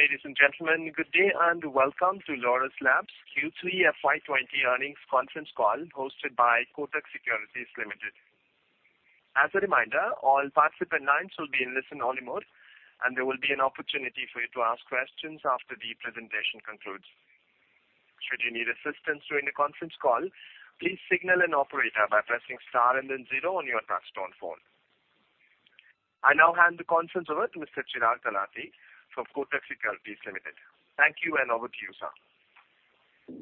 Ladies and gentlemen, good day and welcome to Laurus Labs' Q3 FY 2020 earnings conference call hosted by Kotak Securities Limited. As a reminder, all participant lines will be in listen-only mode, and there will be an opportunity for you to ask questions after the presentation concludes. Should you need assistance during the conference call, please signal an operator by pressing star and then zero on your touch-tone phone. I now hand the conference over to Mr. Chirag Talati from Kotak Securities Limited. Thank you, and over to you, sir.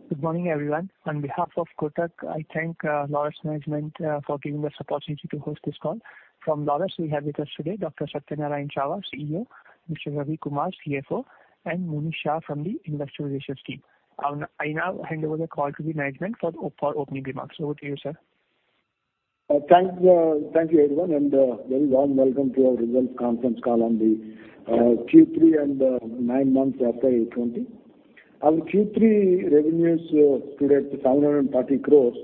Good morning, everyone. On behalf of Kotak, I thank Laurus management for giving us opportunity to host this call. From Laurus, we have with us today Dr. Satyanarayana Chava, CEO, Mr. Ravi Kumar, CFO, and Monish Shah from the investor relations team. I now hand over the call to the management for opening remarks. Over to you, sir. Thank you, everyone, and a very warm welcome to our results conference call on the Q3 and nine months FY 2020. Our Q3 revenues stood at 740 crores,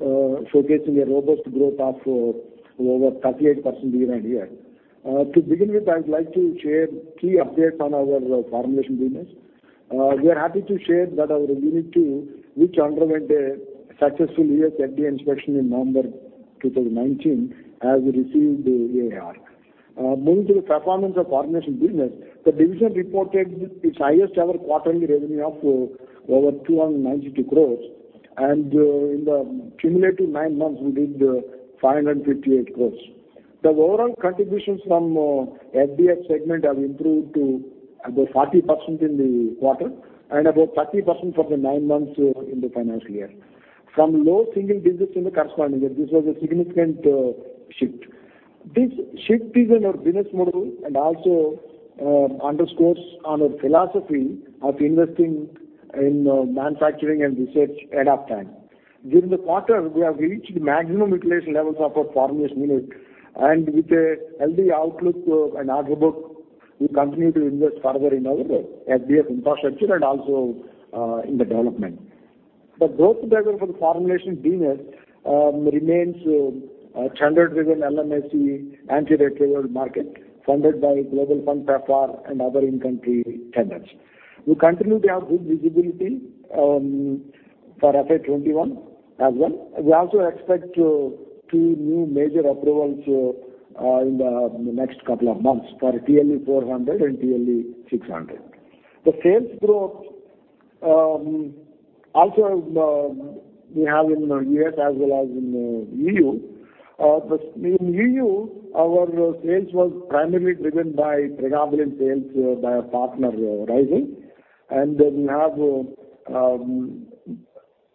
showcasing a robust growth of over 38% year-over-year. To begin with, I would like to share key updates on our formulation business. We are happy to share that our Unit 2, which underwent a successful U.S. FDA inspection in November 2019, has received the EIR. Moving to the performance of formulation business, the division reported its highest-ever quarterly revenue of over 292 crores, and in the cumulative nine months, we did 558 crores. The overall contributions from FDF segment have improved to about 40% in the quarter and about 30% for the nine months in the financial year. From low single digits in the corresponding year, this was a significant shift. This shift is in our business model and also underscores our philosophy of investing in manufacturing and research ahead of time. During the quarter, we have reached maximum utilization levels of our formulations unit, and with a healthy outlook and order book, we continue to invest further in our FDF infrastructure and also in the development. The growth driver for the formulation business remains tender-driven LMIC antiretroviral market funded by The Global Fund, PEPFAR, and other in-country tenders. We continue to have good visibility for FY 2021 as well. We also expect two new major approvals in the next couple of months for TLE 400 and TLE 600. The sales growth also we have in U.S. as well as in EU. In EU, our sales were primarily driven by pregabalin sales by our partner, Rising, and we have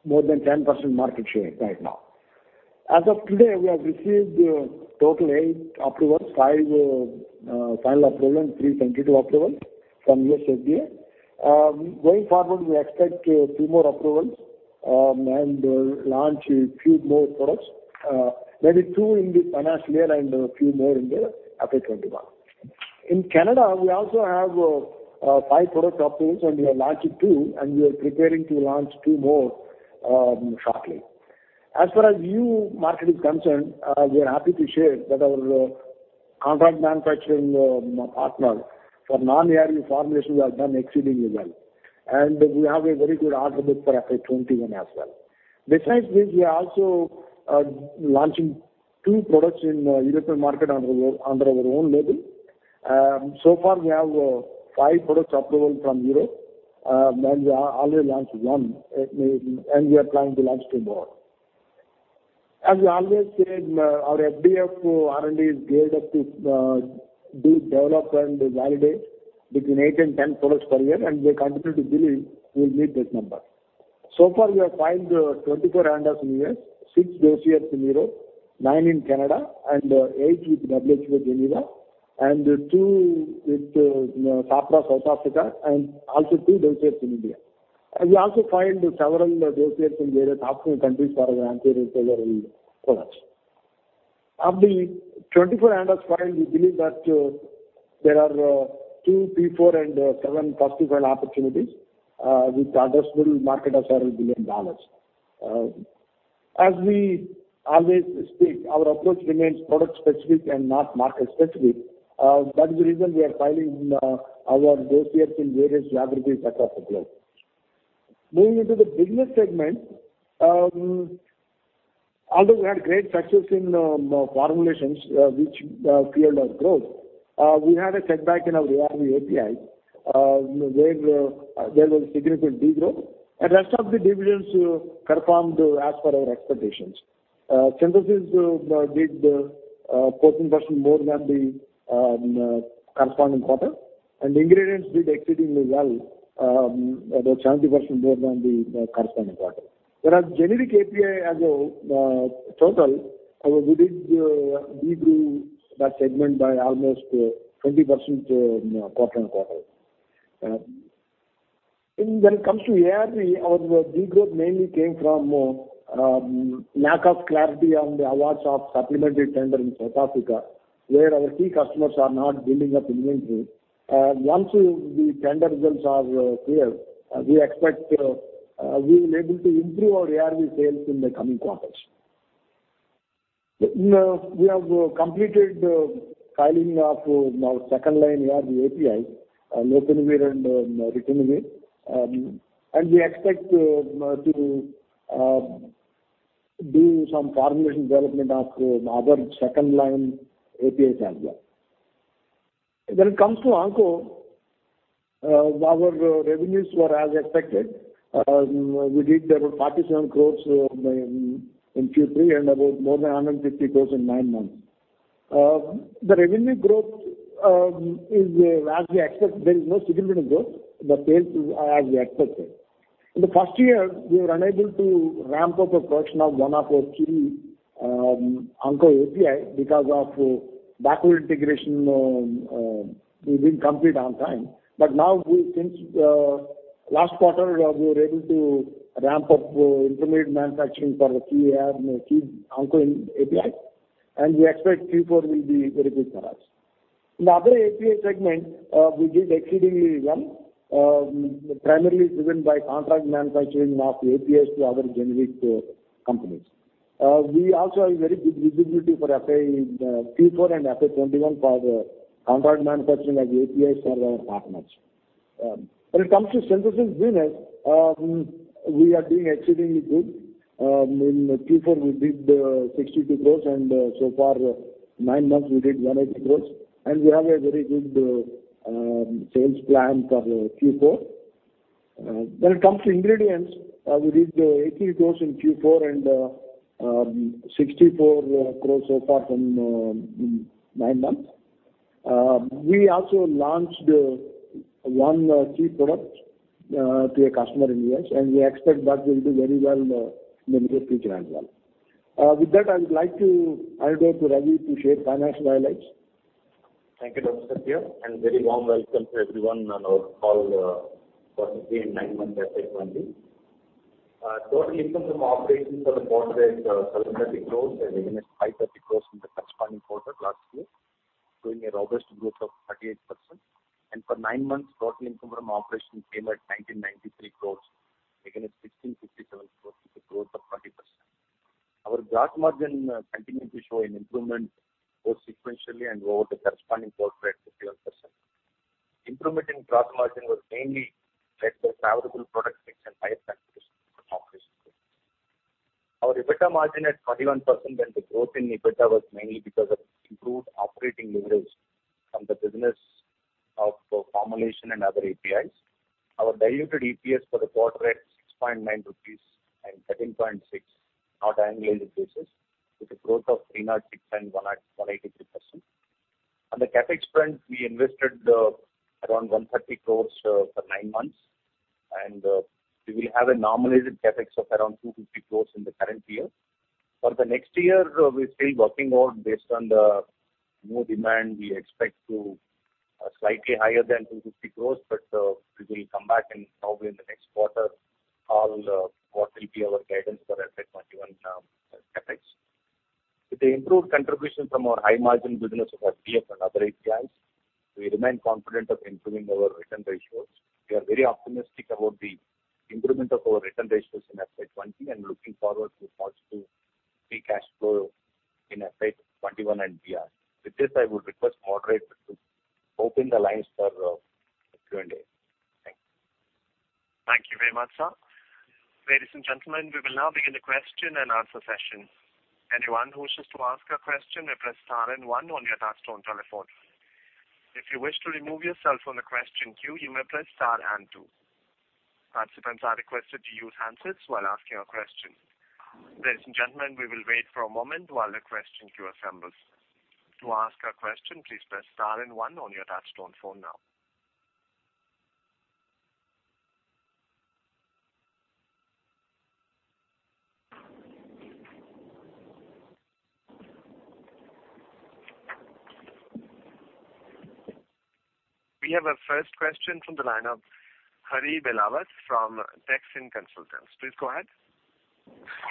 more than 10% market share right now. As of today, we have received total eight approvals, five final approvals, three tentative approvals from U.S. FDA. Going forward, we expect two more approvals and launch a few more products, maybe two in this financial year and a few more in the FY 2021. In Canada, we also have five product approvals, and we have launched two, and we are preparing to launch two more shortly. As far as EU market is concerned, we are happy to share that our contract manufacturing partners for non-ARV formulations have done exceedingly well, and we have a very good order book for FY 2021 as well. Besides this, we are also launching two products in European market under our own label. So far we have five products approval from Europe, and we have already launched one, and we are planning to launch two more. As we always said, our FDF R&D is geared up to develop and validate between eight and 10 products per year, and we continue to believe we will meet this number. Far, we have filed 24 ANDAs in U.S., six dossiers in Europe, nine in Canada, and eight with WHO Geneva, and two with SAHPRA, South Africa, and also two dossiers in India. We also filed several dossiers in various African countries for our antiretroviral products. Of the 24 ANDAs filed, we believe that there are two Para IV and seven first-to-file opportunities with addressable market of $several billion. As we always state, our approach remains product-specific and not market-specific. Is the reason we are filing our dossiers in various geographies across the globe. Moving into the business segment, although we had great success in formulations, which fueled our growth, we had a setback in our ARV API, where there was significant degrowth. Rest of the divisions performed as per our expectations. Synthesis did 14% more than the corresponding quarter, and Ingredients did exceedingly well, about 20% more than the corresponding quarter. Generic API, as a total, we degrew that segment by almost 20% quarter-on-quarter. When it comes to ARV, our degrowth mainly came from lack of clarity on the awards of supplemental tender in South Africa, where our key customers are not building up inventory. Once the tender results are clear, we expect we will be able to improve our ARV sales in the coming quarters. We have completed the filing of our second line API, lopinavir and ritonavir. We expect to do some formulation development of other second-line APIs as well. When it comes to Onco, our revenues were as expected. We did about 47 crores in Q3 and about more than 150 crores in nine months. The revenue growth is as we expect, there is no significant growth. The sales is as we expected. In the first year, we were unable to ramp up a portion of one of our key Onco API because of backward integration didn't complete on time. Now, since last quarter, we were able to ramp up intermediate manufacturing for key Onco API, and we expect Q4 will be very good for us. In the other API segment, we did exceedingly well, primarily driven by contract manufacturing of APIs to other generic companies. We also have very good visibility for FY Q4 and FY 2021 for the contract manufacturing of APIs for our partners. It comes to synthesis business, we are doing exceedingly good. In Q4, we did 62 crores. So far, nine months we did 180 crores. We have a very good sales plan for Q4. It comes to ingredients, we did 18 crores in Q4 and 64 crores so far in nine months. We also launched one key product to a customer in U.S. We expect that will do very well in the near future as well. With that, I would like to hand over to Ravi to share financial highlights. Thank you, Dr. Satya. Very warm welcome to everyone on our call for Q3 and nine months FY 2020. Total income from operations for the quarter is INR 730 crores against 530 crores in the corresponding quarter last year, showing a robust growth of 38%. For nine months, total income from operations came at 1,993 crores against 1,667 crores, with a growth of 20%. Our gross margin continued to show an improvement both sequentially and over the corresponding quarter at 51%. Improvement in gross margin was mainly led by favorable product mix and higher contribution from operations group. Our EBITDA margin at 31%. The growth in EBITDA was mainly because of improved operating leverage from the business of formulation and other APIs. Our diluted EPS for the quarter at 6.9 rupees and 13.6 on annual basis, with a growth of 306% and 183%. On the CapEx front, we invested around 130 crores for nine months. We will have a normalized CapEx of around 250 crores in the current year. For the next year, we are still working on based on the new demand, we expect to slightly higher than 250 crores, but we will come back and probably in the next quarter call what will be our guidance for FY 2021 CapEx. With the improved contribution from our high-margin business of FDF and other APIs, we remain confident of improving our return ratios. We are very optimistic about the improvement of our return ratios in FY 2020 and looking forward to positive free cash flow in FY 2021 and beyond. With this, I would request moderator to open the lines for Q&A. Thank you. Thank you very much, sir. Ladies and gentlemen, we will now begin the question and answer session. Anyone who wishes to ask a question may press star and one on your touch-tone telephone. If you wish to remove yourself from the question queue, you may press star and two. Participants are requested to use handsets while asking a question. Ladies and gentlemen, we will wait for a moment while the question queue assembles. To ask a question, please press star and one on your touch-tone phone now. We have our first question from the line of Hari Belawat from Techfin Consultants. Please go ahead.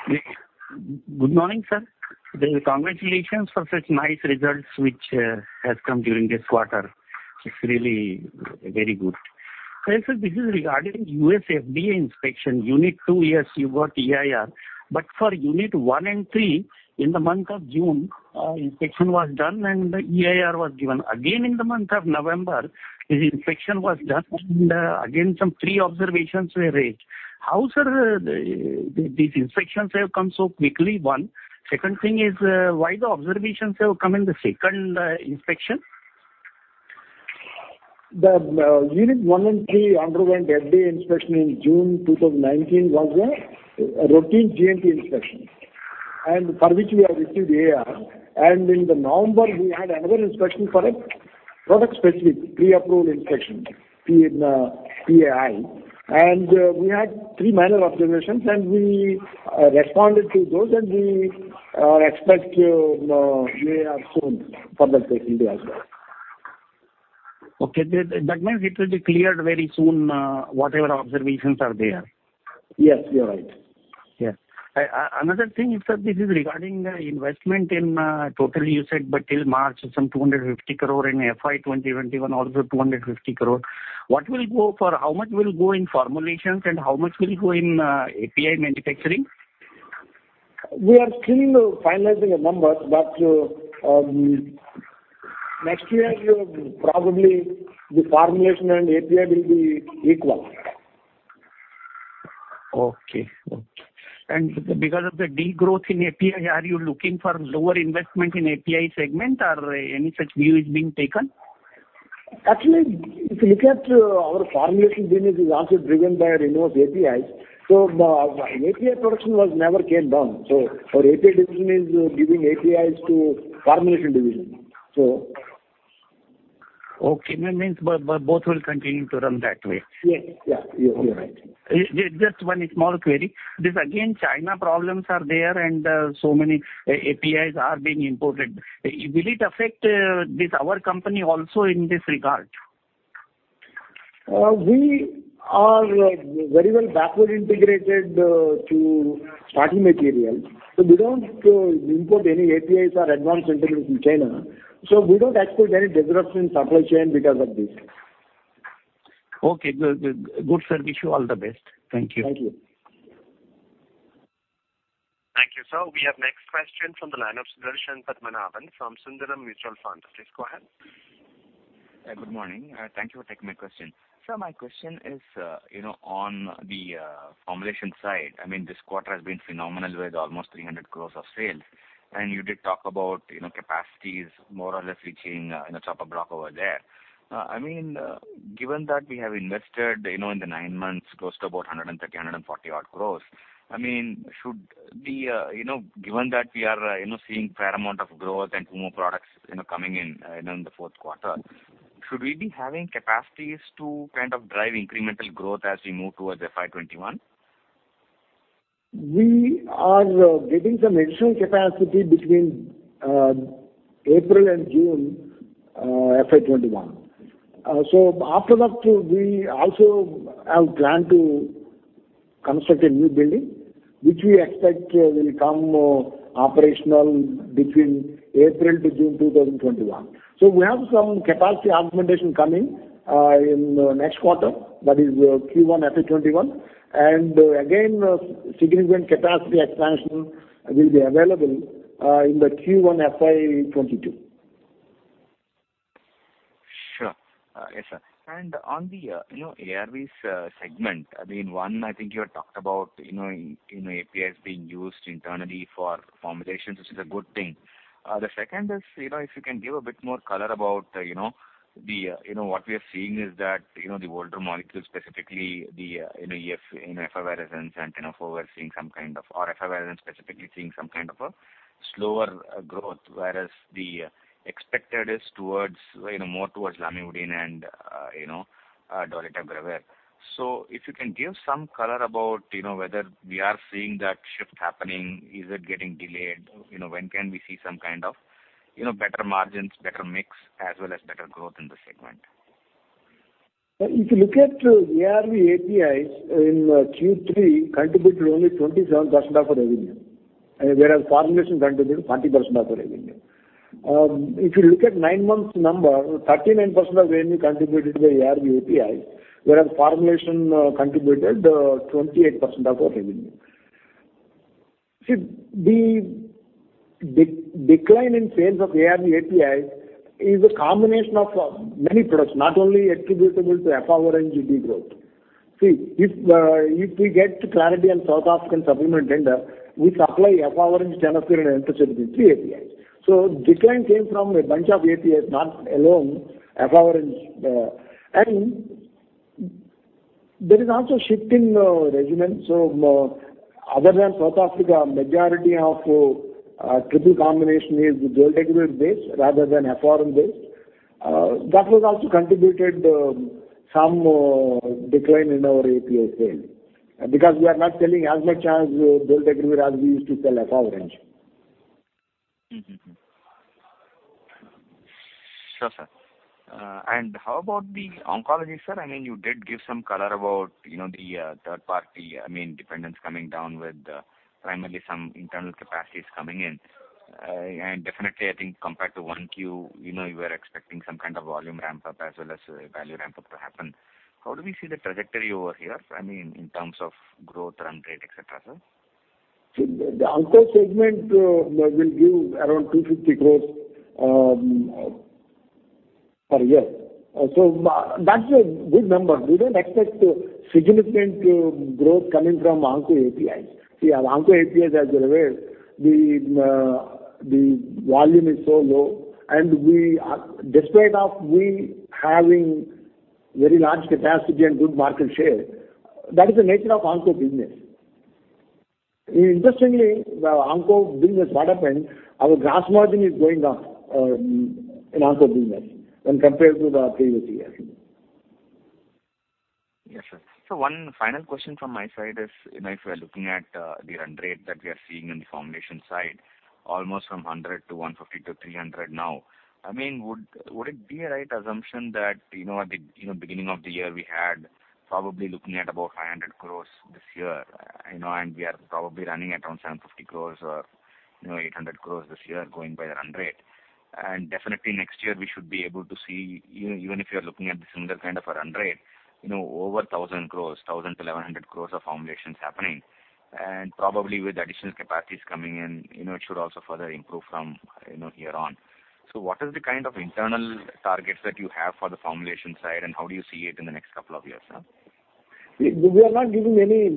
Good morning, sir. Congratulations for such nice results, which has come during this quarter. It's really very good. This is regarding U.S. FDA inspection. Unit 2, yes, you got EIR. For unit 1 and 3, in the month of June, inspection was done and EIR was given. Again, in the month of November, the inspection was done, and again, some three observations were raised. How, sir, these inspections have come so quickly? One. Second thing is, why the observations have come in the second inspection? The unit 1 and 3 underwent FDA inspection in June 2019, was a routine GMP inspection, and for which we have received EIR. In the November, we had another inspection for a product-specific pre-approved inspection, PAI. We had three minor observations, and we responded to those, and we expect EIR soon for the same day as well. Okay. That means it will be cleared very soon, whatever observations are there. Yes, you're right. Yes. Another thing is, sir, this is regarding investment in total you said, but till March some 250 crore, in FY 2021 also 250 crore. How much will go in formulations and how much will go in API manufacturing? We are still finalizing the numbers, but next year, probably the formulation and API will be equal. Okay. Because of the degrowth in API, are you looking for lower investment in API segment or any such view is being taken? Actually, if you look at our Formulation business is also driven by APIs. API production was never scaled down. Our API division is giving APIs to Formulation division. Okay. That means both will continue to run that way. Yes. You're right. Just one small query. This again, China problems are there and so many APIs are being imported. Will it affect our company also in this regard? We are very well backward integrated to starting material. We don't import any APIs or advanced intermediates from China. We don't expect any disruption in supply chain because of this. Okay, good. Good, sir. Wish you all the best. Thank you. Thank you. Thank you, sir. We have next question from the line of Sudarshan Padmanabhan from Sundaram Mutual Fund. Please go ahead. Good morning. Thank you for taking my question. Sir, my question is on the formulation side. This quarter has been phenomenal with almost 300 crores of sales, and you did talk about capacities more or less reaching in the chock-a-block over there. Given that we have invested in the nine months close to about 130-140 odd crores, given that we are seeing fair amount of growth and two more products coming in the fourth quarter, should we be having capacities to kind of drive incremental growth as we move towards FY 2021? We are getting some additional capacity between April and June FY 2021. After that, we also have planned to construct a new building, which we expect will become operational between April to June 2021. We have some capacity augmentation coming in next quarter. That is Q1 FY 2021. Again, significant capacity expansion will be available in the Q1 FY 2022. Sure. Yes, sir. On the ARVs segment, one, I think you had talked about APIs being used internally for formulations, which is a good thing. The second is, if you can give a bit more color about what we are seeing is that the older molecules, specifically in efavirenz and tenofovir, or efavirenz specifically, seeing some kind of a slower growth, whereas the expected is more towards lamivudine and dolutegravir. If you can give some color about whether we are seeing that shift happening, is it getting delayed? When can we see some kind of better margins, better mix as well as better growth in this segment? ARV APIs in Q3 contributed only 27% of the revenue, whereas formulation contributed 40% of the revenue. Nine-month number, 39% of revenue contributed by ARV APIs, whereas formulation contributed 28% of revenue. The decline in sales of ARV APIs is a combination of many products, not only attributable to efavirenz degrowth. If we get clarity on South African supplement tender, we supply efavirenz, tenofovir and emtricitabine, three APIs. Decline came from a bunch of APIs, not alone efavirenz. There is also shift in regimen. Other than South Africa, majority of triple combination is dolutegravir based rather than efavirenz based. That has also contributed some decline in our API sale. We are not selling as much as dolutegravir as we used to sell efavirenz. Sure, sir. How about the Oncology, sir? You did give some color about the third party, dependence coming down with primarily some internal capacities coming in. Definitely, I think compared to 1Q, you were expecting some kind of volume ramp up as well as value ramp up to happen. How do we see the trajectory over here in terms of growth, run rate, et cetera, sir? The Oncology segment will give around INR 250 crore per year. That's a good number. We don't expect significant growth coming from Oncology APIs. See, our Oncology APIs as it is, the volume is so low and despite of we having very large capacity and good market share, that is the nature of Oncology business. Interestingly, Oncology business apart, our gross margin is going up in Oncology business when compared to the previous year. Yes, sir. One final question from my side is, if we're looking at the run rate that we are seeing in the formulation side, almost from 100 to 150 to 300 now. Would it be a right assumption that at the beginning of the year, we had probably looking at about 500 crores this year, and we are probably running at around 750 crores or 800 crores this year going by the run rate. Definitely next year we should be able to see, even if you're looking at the similar kind of a run rate, over 1,000 crores, 1,000-1,100 crores of formulations happening. Probably with additional capacities coming in, it should also further improve from here on. What is the kind of internal targets that you have for the formulation side, and how do you see it in the next couple of years, sir? We are not giving any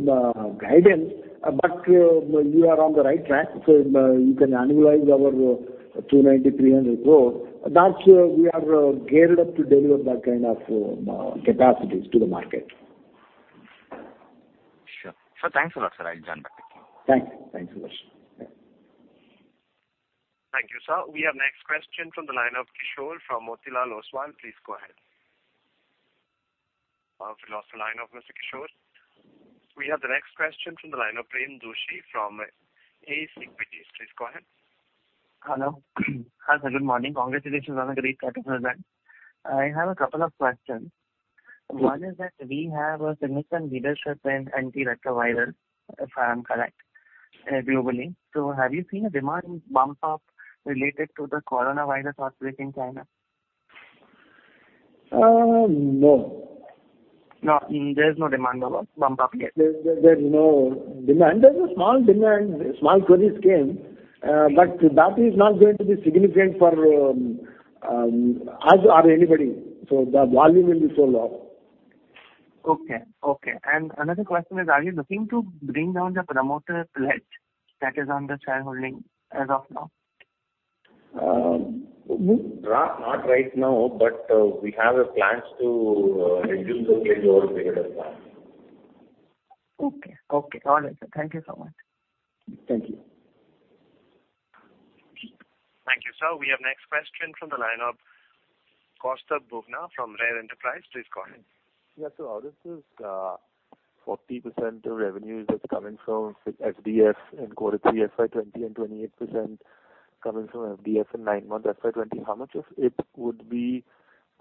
guidance, but you are on the right track. You can annualize our 290 crore-300 crore. That we are geared up to deliver that kind of capacities to the market. Sure. Sir, thanks a lot, sir. I'll join back with you. Thanks. Thanks a lot. Thank you, sir. We have next question from the line of Kishore from Motilal Oswal. Please go ahead. Oh, we lost the line of Mr. Kishore. We have the next question from the line of Prem Doshi from ACE Equities. Please go ahead. Hello. Hi, sir. Good morning. Congratulations on a great set of results. I have a couple of questions. Please. One is that we have a significant leadership in antiretrovirals, if I am correct, globally. Have you seen a demand bump up related to the coronavirus outbreak in China? No. No, there's no demand bump up yet. There's no demand. There's a small demand, small queries came. That is not going to be significant for us or anybody. The volume will be so low. Okay. Another question is, are you looking to bring down the promoter pledge that is on the shareholding as of now? Not right now, but we have plans to reduce the pledge over a period of time. Okay. All right, sir. Thank you so much. Thank you. Thank you, sir. We have next question from the line of Kaustubh Bubna from Rare Enterprises. Please go ahead. Yeah, sir. Out of this 40% revenue that's coming from FDF in quarter three FY 2020 and 28% coming from FDF in nine months FY 2020, how much of it would be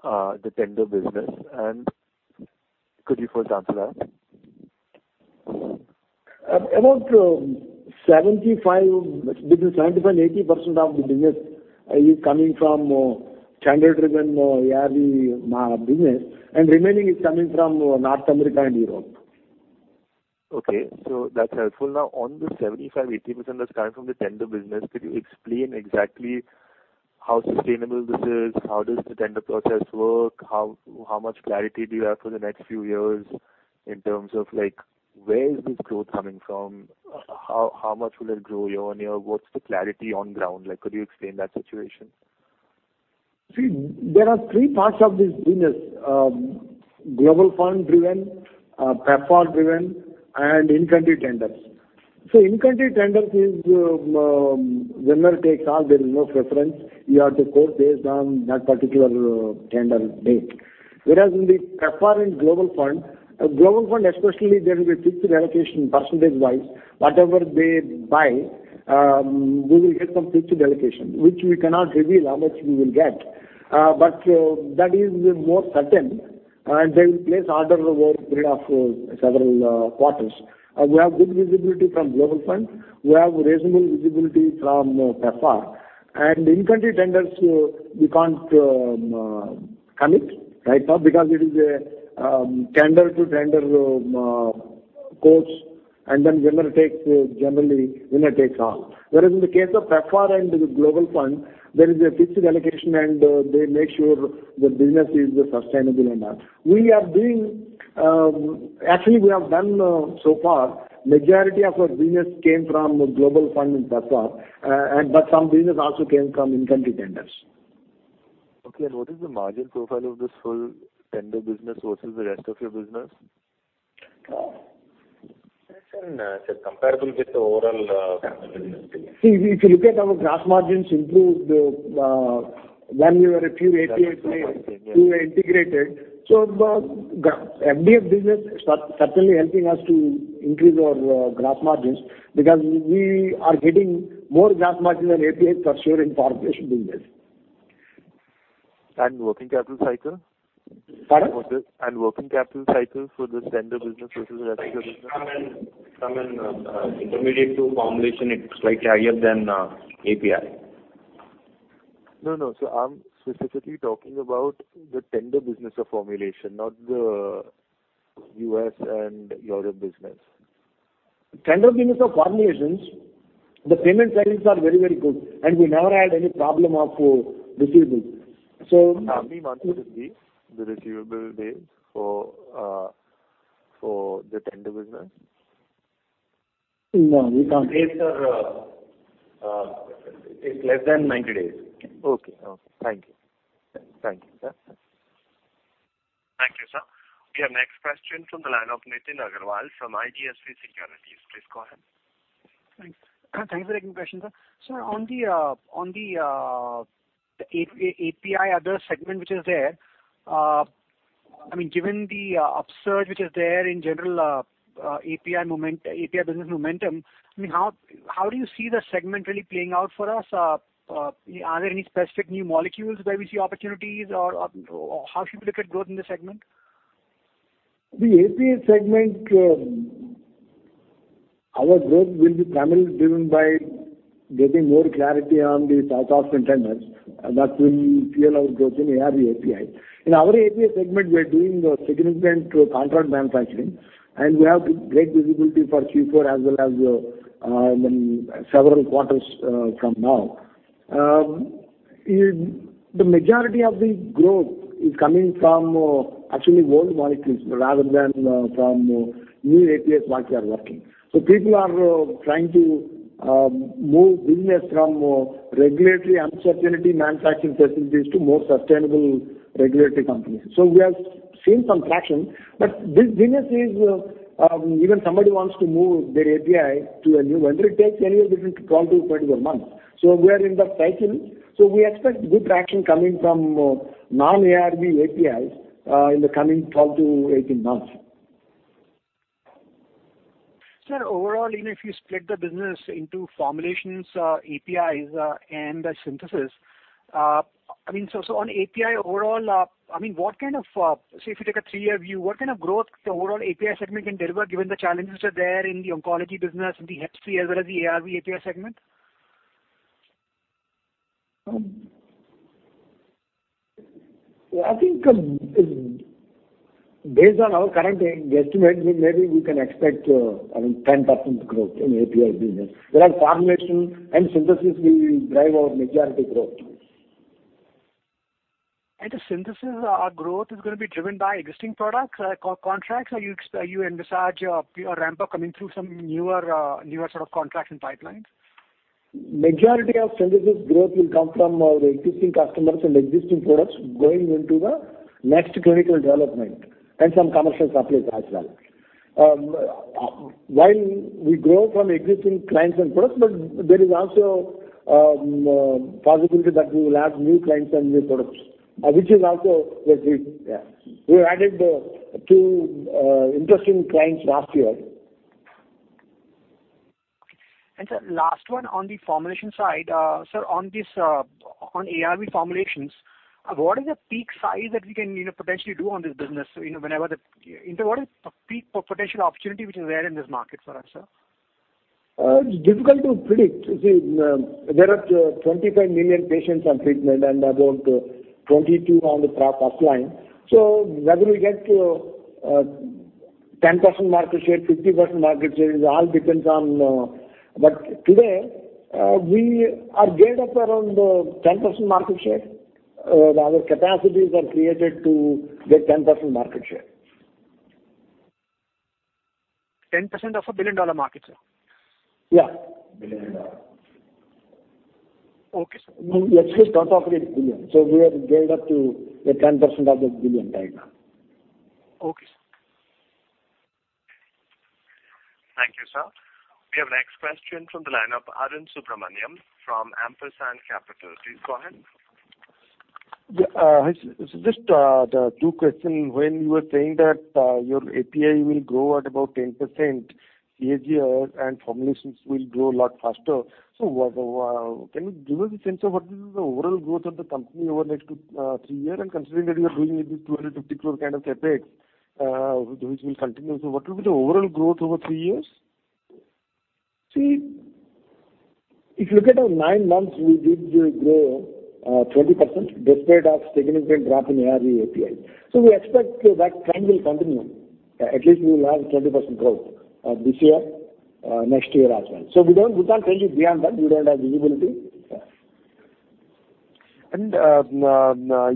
the tender business? Could you first answer that? About between 75% and 80% of the business is coming from channel-driven ARV business, remaining is coming from North America and Europe. Okay, that's helpful. Now, on the 75%-80% that's coming from the tender business, could you explain exactly how sustainable this is? How does the tender process work? How much clarity do you have for the next few years in terms of where is this growth coming from? How much will it grow year-on-year? What's the clarity on ground like? Could you explain that situation? There are three parts of this business, Global Fund driven, PEPFAR driven, and in-country tenders. In-country tenders is winner takes all. There is no preference. You have to quote based on that particular tender date. Whereas in the PEPFAR and Global Fund, Global Fund especially, there will be fixed allocation percentage-wise. Whatever they buy, we will get some fixed allocation, which we cannot reveal how much we will get. That is more certain, and they will place order over a period of several quarters. We have good visibility from Global Fund. We have reasonable visibility from PEPFAR. In-country tenders, we can't commit right now because it is a tender to tender quotes, and then generally winner takes all. Whereas in the case of PEPFAR and Global Fund, there is a fixed allocation, and they make sure the business is sustainable or not. Actually, we have done so far, majority of our business came from Global Fund and PEPFAR, but some business also came from in-country tenders. Okay, what is the margin profile of this whole tender business versus the rest of your business? It's comparable with the overall formulation business. If you look at our gross margins improved when we were a pure API play to integrated. The FDF business certainly helping us to increase our gross margins because we are getting more gross margin than API for sure in formulation business. Working capital cycle? Pardon. Working capital cycle for this tender business versus the rest of your business? From an intermediate to formulation, it's slightly higher than API. No, sir, I'm specifically talking about the tender business of formulation, not the U.S. and Europe business. Tender business of formulations, the payment cycles are very good, and we never had any problem of receivables. How many months would it be, the receivable days for the tender business? No, we can't- Days are less than 90 days. Okay. Thank you. Thanks. Thank you, sir. Thank you, sir. We have next question from the line of Nitin Agarwal from IDFC Securities. Please go ahead. Thanks for taking the question, sir. Sir, on the API other segment which is there, given the upsurge which is there in general API business momentum, how do you see the segment really playing out for us? Are there any specific new molecules where we see opportunities, or how should we look at growth in this segment? The API segment, our growth will be primarily driven by getting more clarity on the South African tenders that will fuel our growth in ARV API. In our API segment, we are doing significant contract manufacturing, and we have great visibility for Q4 as well as in several quarters from now. The majority of the growth is coming from actually old molecules rather than from new APIs which are working. People are trying to move business from regulatory uncertainty manufacturing facilities to more sustainable regulatory companies. We have seen some traction, but this business is, even somebody wants to move their API to a new vendor, it takes anywhere between 12 to 24 months. We are in that cycle. We expect good traction coming from non-ARV APIs in the coming 12 to 18 months. Sir, overall, if you split the business into formulations, APIs, and synthesis. On API overall, if you take a three-year view, what kind of growth the overall API segment can deliver given the challenges that are there in the oncology business, in the Hep C, as well as the ARV API segment? I think, based on our current guesstimates, maybe we can expect 10% growth in API business, where formulation and synthesis will drive our majority growth. The synthesis growth is going to be driven by existing products, contracts, or you envisage a ramp-up coming through some newer sort of contract and pipelines? Majority of synthesis growth will come from the existing customers and existing products going into the next clinical development, and some commercial supplies as well. While we grow from existing clients and products, there is also possibility that we will have new clients and new products. We added two interesting clients last year. Okay. Sir, last one on the formulation side. Sir, on ARV formulations, what is the peak size that we can potentially do on this business? What is the peak potential opportunity which is there in this market for us, sir? It's difficult to predict. You see, there are 25 million patients on treatment and about 22 on the first-line. Whether we get 10% market share, 50% market share, it all depends. Today, we are geared up around 10% market share. Our capacities are created to get 10% market share. 10% of a billion-dollar market, sir? Yeah. Billion dollar. Okay, sir. Actually, it's not of INR 1 billion. We are geared up to get 10% of that 1 billion right now. Okay, sir. Thank you, sir. We have next question from the line of Arun Subrahmanyam from Ampersand Capital. Please go ahead. Just two questions. When you were saying that your API will grow at about 10% CAGR and formulations will grow a lot faster. Can you give us a sense of what is the overall growth of the company over next three year? Considering that you are doing this 250 crore kind of CapEx, which will continue. What will be the overall growth over three years? See, if you look at our nine months, we did grow 20% despite a significant drop in ARV API. We expect that trend will continue. At least we will have 20% growth this year, next year as well. We can't tell you beyond that. We don't have visibility.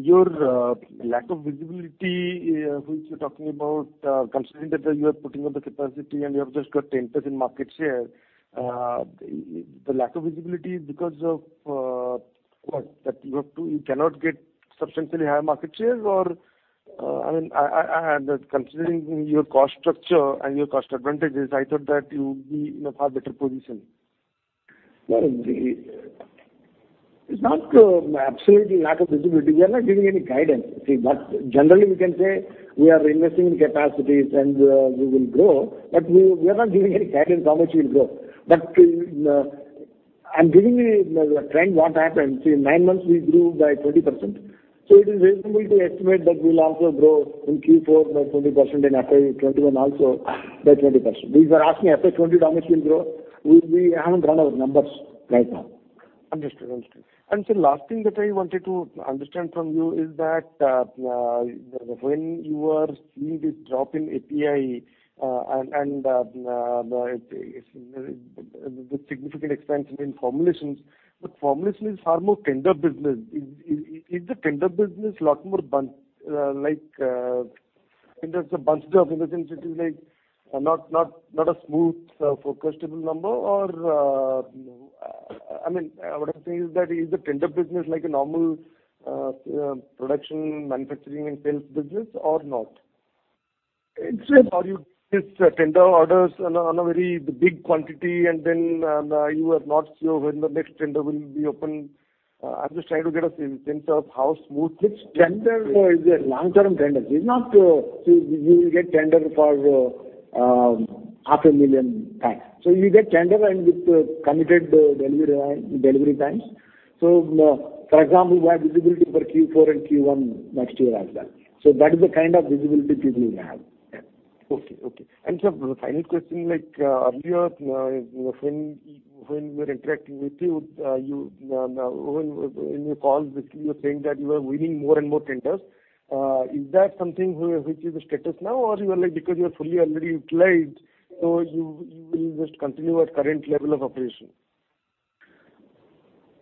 Your lack of visibility, which you're talking about, considering that you are putting up the capacity and you have just got 10% market share. The lack of visibility is because of what? That you cannot get substantially higher market shares? Considering your cost structure and your cost advantages, I thought that you would be in a far better position. No. It's not absolutely lack of visibility. We are not giving any guidance. Generally we can say we are investing in capacities and we will grow, but we are not giving any guidance how much we will grow. I'm giving the trend what happened. See, in nine months, we grew by 20%. It is reasonable to estimate that we'll also grow in Q4 by 20% and FY 2021 also by 20%. If you are asking FY 2020 how much we'll grow, we haven't run our numbers right now. Understood. Sir, last thing that I wanted to understand from you is that, when you are seeing this drop in API, and the significant expansion in formulations, but formulation is far more tender business. Is the tender business lot more like there's a bunch of things which is not a smooth forecast-able number? What I'm saying is that, is the tender business like a normal production, manufacturing, and sales business or not? It's a- You place tender orders on a very big quantity, and then you are not sure when the next tender will be open. I'm just trying to get a sense of how smooth. This tender is a long-term tender. You will get tender for half a million times. You get tender and with committed delivery times. For example, we have visibility for Q4 and Q1 next year as well. That is the kind of visibility people will have. Okay. Sir, final question, earlier when we were interacting with you, in your calls, basically you were saying that you are winning more and more tenders. Is that something which is the status now? Because you are fully already utilized, so you will just continue at current level of operation?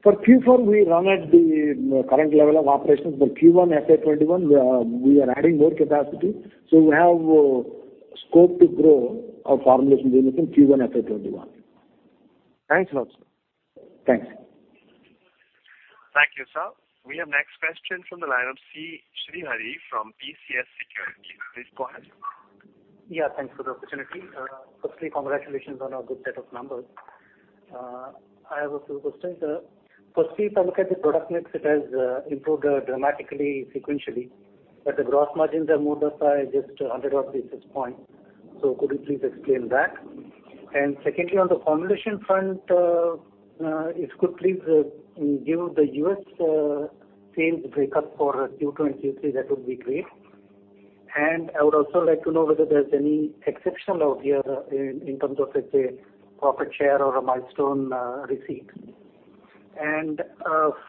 For Q4, we run at the current level of operations. For Q1 FY 2021, we are adding more capacity, we have scope to grow our formulations business in Q1 FY 2021. Thanks a lot, sir. Thanks. Thank you, sir. We have next question from the line of C. Srihari from PCS Securities. Please go ahead, sir. Yeah, thanks for the opportunity. Firstly, congratulations on a good set of numbers. I have a few questions. Firstly, if I look at the product mix, it has improved dramatically sequentially, but the gross margins are modest by just 100 basis points. Could you please explain that? Secondly, on the formulation front, if you could please give the U.S. sales breakup for Q2 and Q3, that would be great. I would also like to know whether there's any exceptional out here in terms of, let's say, profit share or a milestone receipt.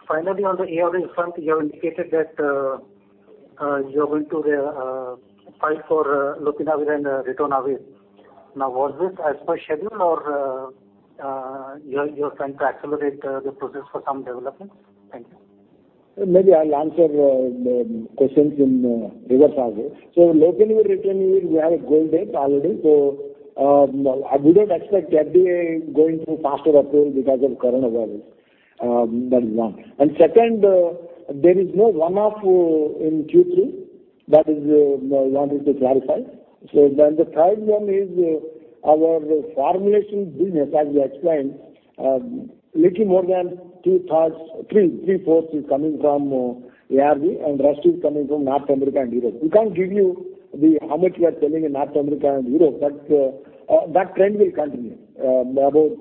Finally, on the ARV front, you have indicated that you're going to file for lopinavir and ritonavir. Was this as per schedule or you are trying to accelerate the process for some developments? Thank you. Maybe I'll answer questions in reverse order. lopinavir, ritonavir, we have a goal date already. I wouldn't expect FDA going to faster approval because of coronavirus. That is one. Second, there is no one-off in Q3. That is, I wanted to clarify. The third one is our formulations business, as we explained, little more than three-fourths is coming from ARV, and rest is coming from North America and Europe. We can't give you how much we are selling in North America and Europe, but that trend will continue. About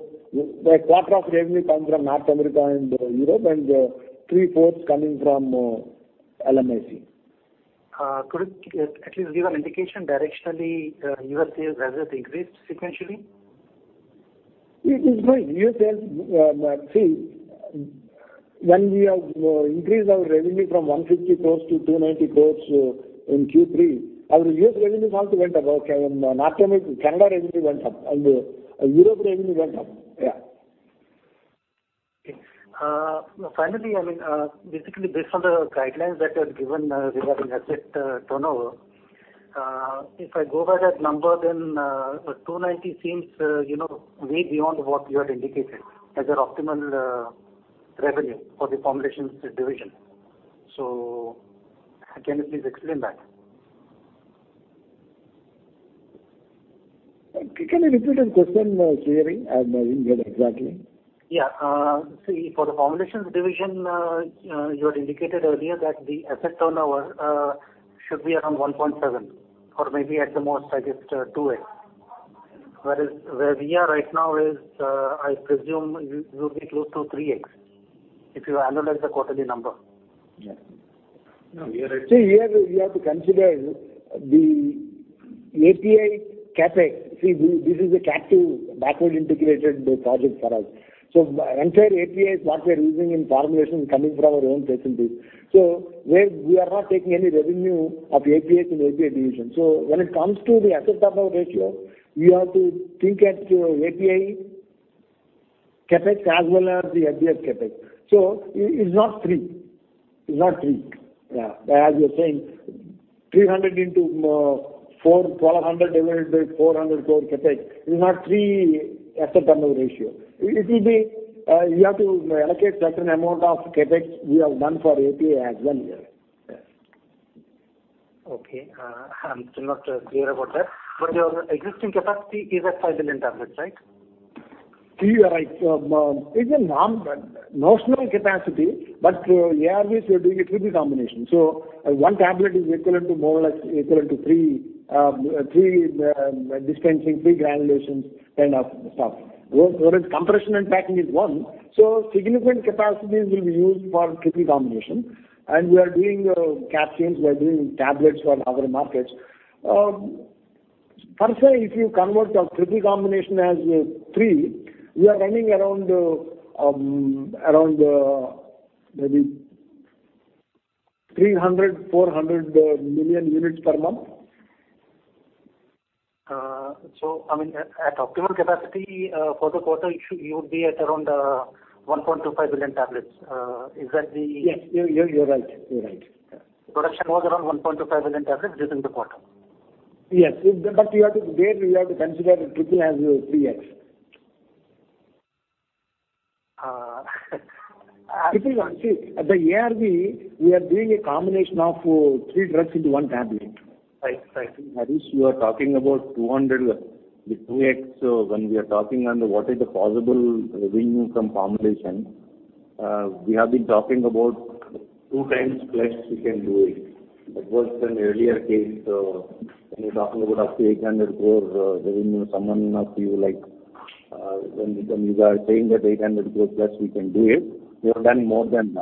a quarter of revenue coming from North America and Europe, and three-fourths coming from LMIC. Could you at least give an indication directionally, U.S. sales has it increased sequentially? It is growing. See, when we have increased our revenue from 150 crore to 290 crore in Q3, our U.S. revenue also went up. Okay. North America, Canada revenue went up, and Europe revenue went up. Yeah. Okay. Finally, basically based on the guidelines that you had given regarding asset turnover, if I go by that number, then 290 seems way beyond what you had indicated as your optimal revenue for the Formulations Division. Can you please explain that? Can you repeat the question, Srihari? I didn't get it exactly. Yeah. See, for the formulations division, you had indicated earlier that the asset turnover should be around 1.7 or maybe at the most, I guess, 2x. Where we are right now is, I presume it will be close to 3x, if you analyze the quarterly number. See, here you have to consider the API CapEx. This is a captive backward-integrated project for us. Entire API is what we are using in formulation coming from our own facilities. We are not taking any revenue of API from API division. When it comes to the asset turnover ratio, we have to think at API CapEx as well as the FDF CapEx. It's not three. As you're saying, 300 into 1,200 divided by INR 400 crore CapEx is not three asset turnover ratio. You have to allocate certain amount of CapEx we have done for API as well here. Yes. Okay. I'm still not clear about that. Your existing capacity is at 5 billion tablets, right? You are right. It's a notional capacity. ARVs, we are doing a triple combination. One tablet is equivalent to more or less equivalent to three dispensing, three granulations kind of stuff. Whereas compression and packing is one, so significant capacities will be used for triple combination. We are doing capsules, we are doing tablets for other markets. Per se, if you convert our triple combination as three, we are running around maybe 300 million-400 million units per month. At optimal capacity for the quarter, you would be at around 1.25 billion tablets. Is that the? Yes. You're right. Production was around 1.25 billion tablets during the quarter. Yes. There we have to consider triple as 3x. See, at the ARV, we are doing a combination of three drugs into one tablet. Right. Harish, you are talking about 200, the 2x. When we are talking on what is the possible revenue from formulation, we have been talking about two times plus we can do it. That was an earlier case when you're talking about up to 800 crore revenue, some of you, when you are saying that 800 crore plus we can do it, we have done more than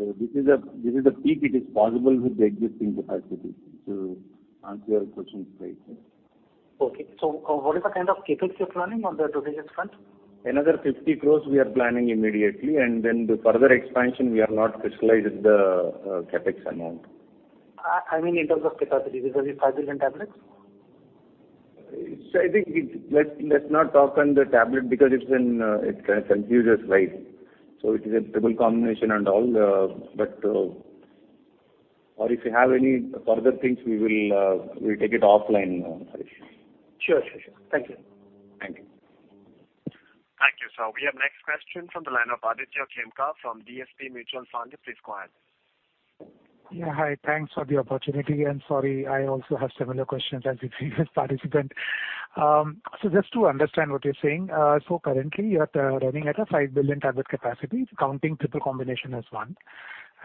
that. This is the peak it is possible with the existing capacity. To answer your question briefly. Okay. What is the kind of CapEx you're planning on the 2020 front? Another 50 crores we are planning immediately, and then the further expansion, we have not crystallized the CapEx amount. I mean, in terms of capacity, is it a 5 billion tablets? I think let's not talk on the tablet because it kind of confuses. It is a triple combination and all. If you have any further things, we'll take it offline, Harish. Sure. Thank you. Thank you. Thank you, sir. We have next question from the line of Aditya Khemka from DSP Mutual Fund. Please go ahead. Yeah. Hi, thanks for the opportunity, and sorry, I also have similar questions as the previous participant. Just to understand what you're saying, currently you are running at a 5 billion tablet capacity, counting triple combination as one.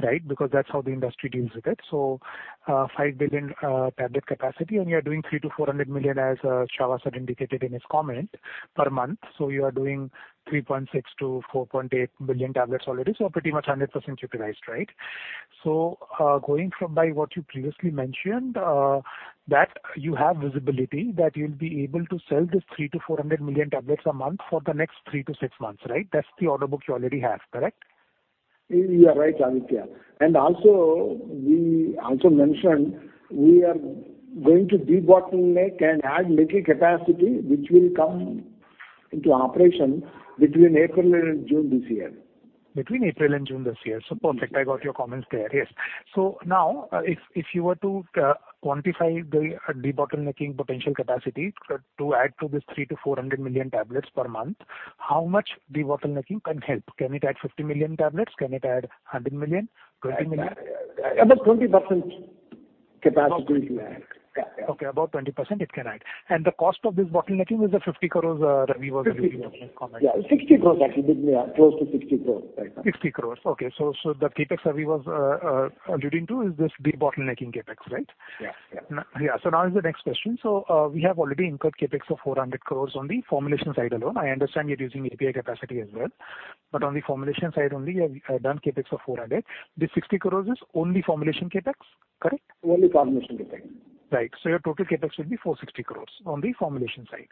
Right? Because that's how the industry deals with it. 5 billion tablet capacity, and you're doing 300 million-400 million as [Chava Sir] had indicated in his comment, per month. You are doing 3.6 billion-4.8 billion tablets already. Pretty much 100% utilized, right? Going from by what you previously mentioned, that you have visibility that you'll be able to sell this 300 million-400 million tablets a month for the next 3-6 months, right? That's the order book you already have, correct? You are right, Aditya. We also mentioned we are going to debottleneck and add little capacity, which will come into operation between April and June this year. Between April and June this year. Perfect. I got your comments clear. Yes. Now, if you were to quantify the debottlenecking potential capacity to add to this 300-400 million tablets per month, how much debottlenecking can help? Can it add 50 million tablets? Can it add 100 million, 20 million? About 20% capacity it can add. Yeah. Okay. About 20% it can add. The cost of this bottlenecking is the 50 crores Ravi was alluding to in his comments. Yeah, 60 crores actually. Close to 60 crores right now. 60 crores. Okay, the CapEx Ravi was alluding to is this debottlenecking CapEx, right? Yeah. Yeah. Now is the next question. We have already incurred Capex of 400 crores on the formulation side alone. I understand you're using API capacity as well, but on the formulation side only, you have done Capex of 400 crores. This 60 crores is only formulation Capex, correct? Only formulation CapEx. Right. Your total CapEx will be 460 crores on the formulation side.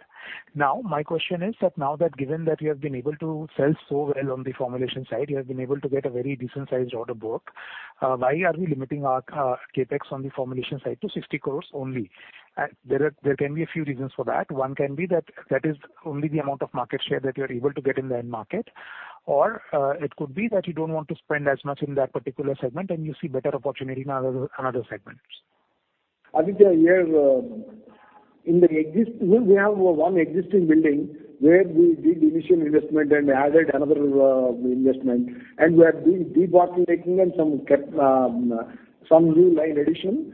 My question is that now that given that you have been able to sell so well on the formulation side, you have been able to get a very decent sized order book, why are we limiting our CapEx on the formulation side to 60 crores only? There can be a few reasons for that. One can be that is only the amount of market share that you're able to get in the end market. It could be that you don't want to spend as much in that particular segment, and you see better opportunity in other segments. Aditya, we have one existing building where we did initial investment and added another investment, and we are doing debottlenecking and some new line addition,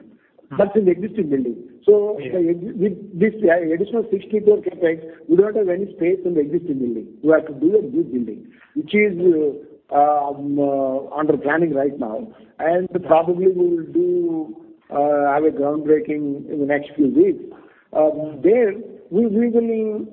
that's in existing building. Yeah With this additional 60 crore CapEx, we don't have any space in the existing building. We have to do a new building. Which is under planning right now, and probably we'll have a groundbreaking in the next few weeks. There, we will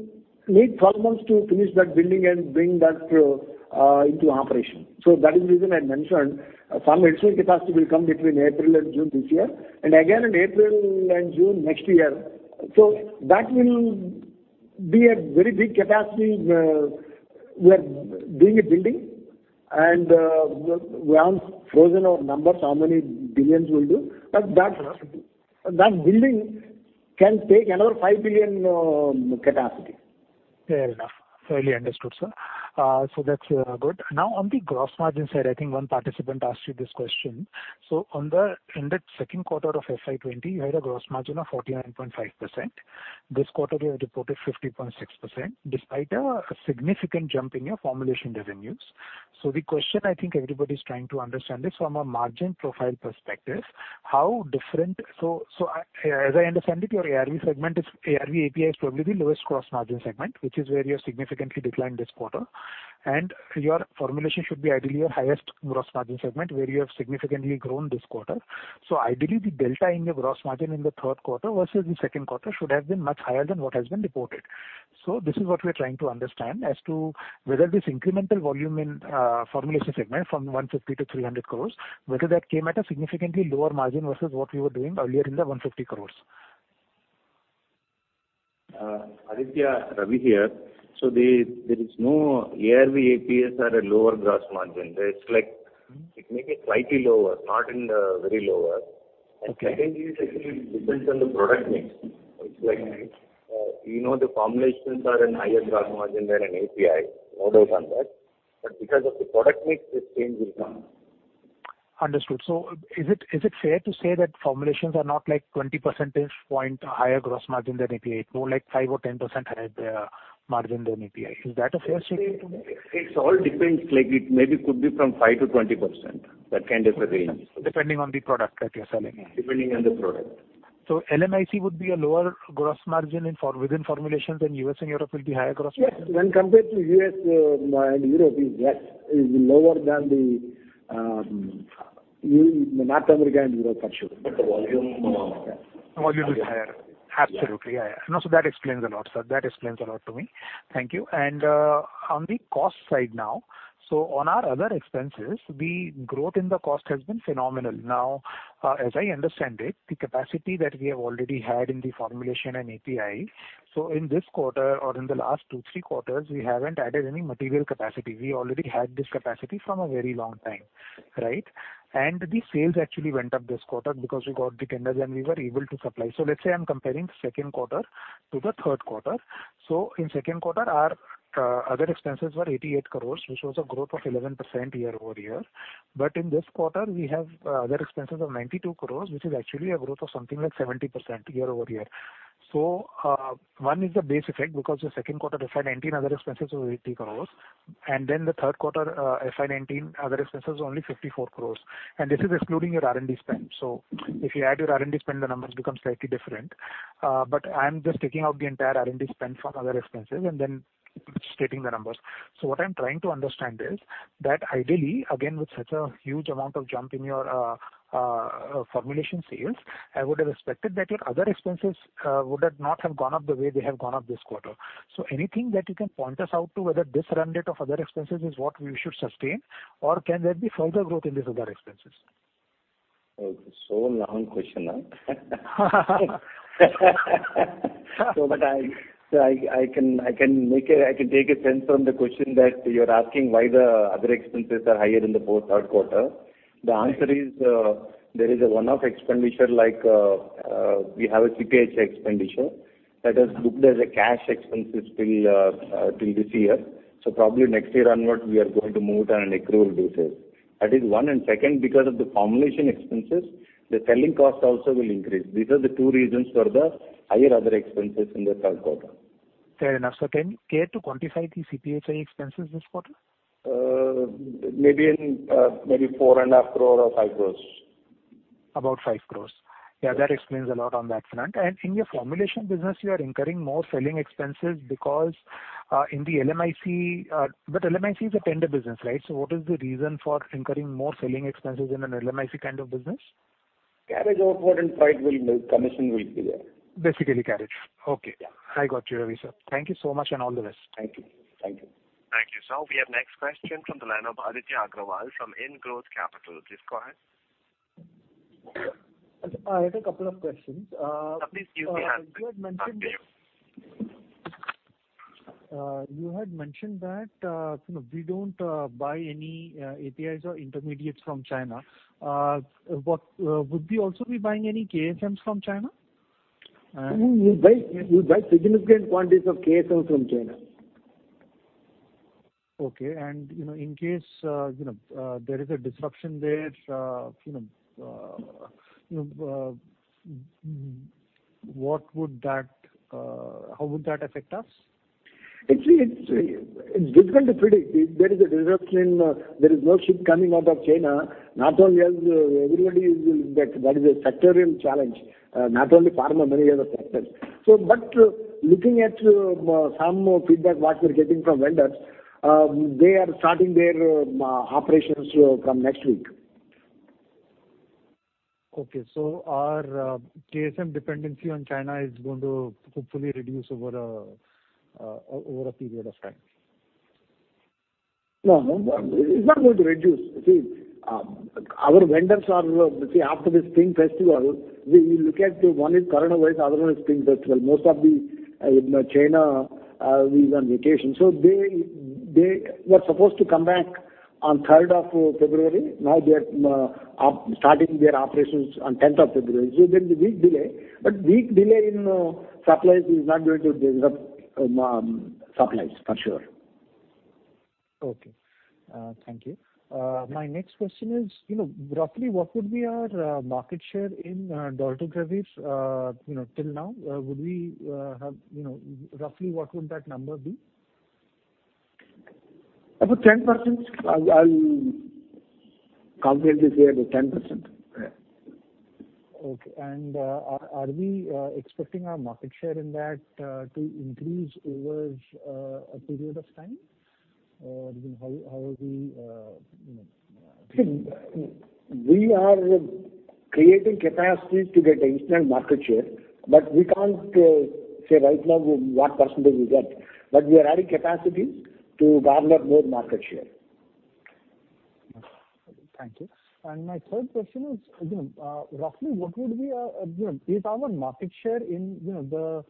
need 12 months to finish that building and bring that into operation. That is the reason I mentioned some additional capacity will come between April and June this year, and again in April and June next year. That will be a very big capacity. We are doing a building, and we haven't frozen our numbers, how many billions we'll do. That building can take another 5 billion capacity. Fair enough. Fully understood, sir. That's good. Now, on the gross margin side, I think one participant asked you this question. In that second quarter of FY 2020, you had a gross margin of 49.5%. This quarter you have reported 50.6%, despite a significant jump in your formulation revenues. The question I think everybody's trying to understand is from a margin profile perspective, how different. As I understand it, your ARV API is probably the lowest gross margin segment, which is where you have significantly declined this quarter. And your formulation should be ideally your highest gross margin segment, where you have significantly grown this quarter. Ideally, the delta in your gross margin in the third quarter versus the second quarter should have been much higher than what has been reported. This is what we're trying to understand as to whether this incremental volume in formulation segment from 150 crores to 300 crores, whether that came at a significantly lower margin versus what we were doing earlier in the 150 crores. Aditya, Ravi here. There is no ARV APIs are a lower gross margin. It may be slightly lower, not in the very lower. Okay. Secondly, it actually depends on the product mix. It's like the formulations are in higher gross margin than an API. No doubt on that. Because of the product mix, this change will come. Understood. Is it fair to say that formulations are not like 20 percentage point higher gross margin than API? It's more like five or 10% higher margin than API. Is that a fair statement to make? It all depends, like maybe could be from 5%-20%. That kind of a range. Depending on the product that you're selling. Depending on the product. LMIC would be a lower gross margin within formulations than U.S. and Europe will be higher gross margin? Yes. When compared to U.S. and Europe, it is lower than in North America and Europe, for sure. The volume is more. The volume is higher. Absolutely. Yeah. That explains a lot, sir. That explains a lot to me. Thank you. On the cost side now. On our other expenses, the growth in the cost has been phenomenal. As I understand it, the capacity that we have already had in the formulation and API, in this quarter or in the last two, three quarters, we haven't added any material capacity. We already had this capacity from a very long time. Right? The sales actually went up this quarter because we got the tenders, and we were able to supply. Let's say I'm comparing second quarter to the third quarter. In second quarter, our other expenses were 88 crores, which was a growth of 11% year-over-year. In this quarter, we have other expenses of 92 crores, which is actually a growth of something like 70% year-over-year. One is the base effect because the second quarter FY 2019 other expenses were 80 crore. The third quarter FY 2019 other expenses were only 54 crore. This is excluding your R&D spend. If you add your R&D spend, the numbers become slightly different. I am just taking out the entire R&D spend from other expenses and then stating the numbers. What I am trying to understand is that ideally, again, with such a huge amount of jump in your formulation sales, I would have expected that your other expenses would not have gone up the way they have gone up this quarter. Anything that you can point us out to whether this run rate of other expenses is what we should sustain, or can there be further growth in these other expenses? Long question, huh? I can take a sense from the question that you're asking why the other expenses are higher in the third quarter. The answer is, there is a one-off expenditure. We have a CPhI expenditure that is booked as a cash expense till this year. Probably next year onward, we are going to move it on an accrual basis. That is one. Second, because of the formulation expenses, the selling cost also will increase. These are the two reasons for the higher other expenses in the third quarter. Fair enough, sir. Can you care to quantify the CPhI expenses this quarter? Maybe 4.5 crores or 5 crores. About 5 crores. Yeah, that explains a lot on that front. In your formulation business, you are incurring more selling expenses because in the LMIC. LMIC is a tender business, right? What is the reason for incurring more selling expenses in an LMIC kind of business? Carriage outward and freight will make commission will be there. Basically carriage. Okay. Yeah. I got you, Ravi, sir. Thank you so much, and all the best. Thank you. Thank you. We have next question from the line of Aditya Agrawal from Indgrowth Capital. Please go ahead. I have a couple of questions. Please excuse me. I'll come to you. You had mentioned that we don't buy any APIs or intermediates from China. Would we also be buying any KSMs from China? No. We buy significant quantities of KSM from China. Okay. In case there is a disruption there, how would that affect us? It's difficult to predict. If there is a disruption, there is no ship coming out of China, that is a sectorial challenge. Not only pharma, many other sectors. Looking at some feedback, what we're getting from vendors, they are starting their operations from next week. Okay, our KSM dependency on China is going to hopefully reduce over a period of time. No. It's not going to reduce. See, our vendors are, after the Spring Festival, we look at one is coronavirus, the other one is Spring Festival. Most of China is on vacation. They were supposed to come back on 3rd of February. Now they are starting their operations on 10th of February. There's a week delay, but week delay in supplies is not going to disrupt supplies, for sure. Okay. Thank you. My next question is, roughly what would be our market share in dolutegravir till now? Roughly, what would that number be? About 10%. I'll calculate it here, but 10%. Yeah. Okay. Are we expecting our market share in that to increase over a period of time? Or how are we We are creating capacity to get a certain market share, but we can't say right now what percentage we get. We are adding capacity to garner more market share. Thank you. My third question is our market share in the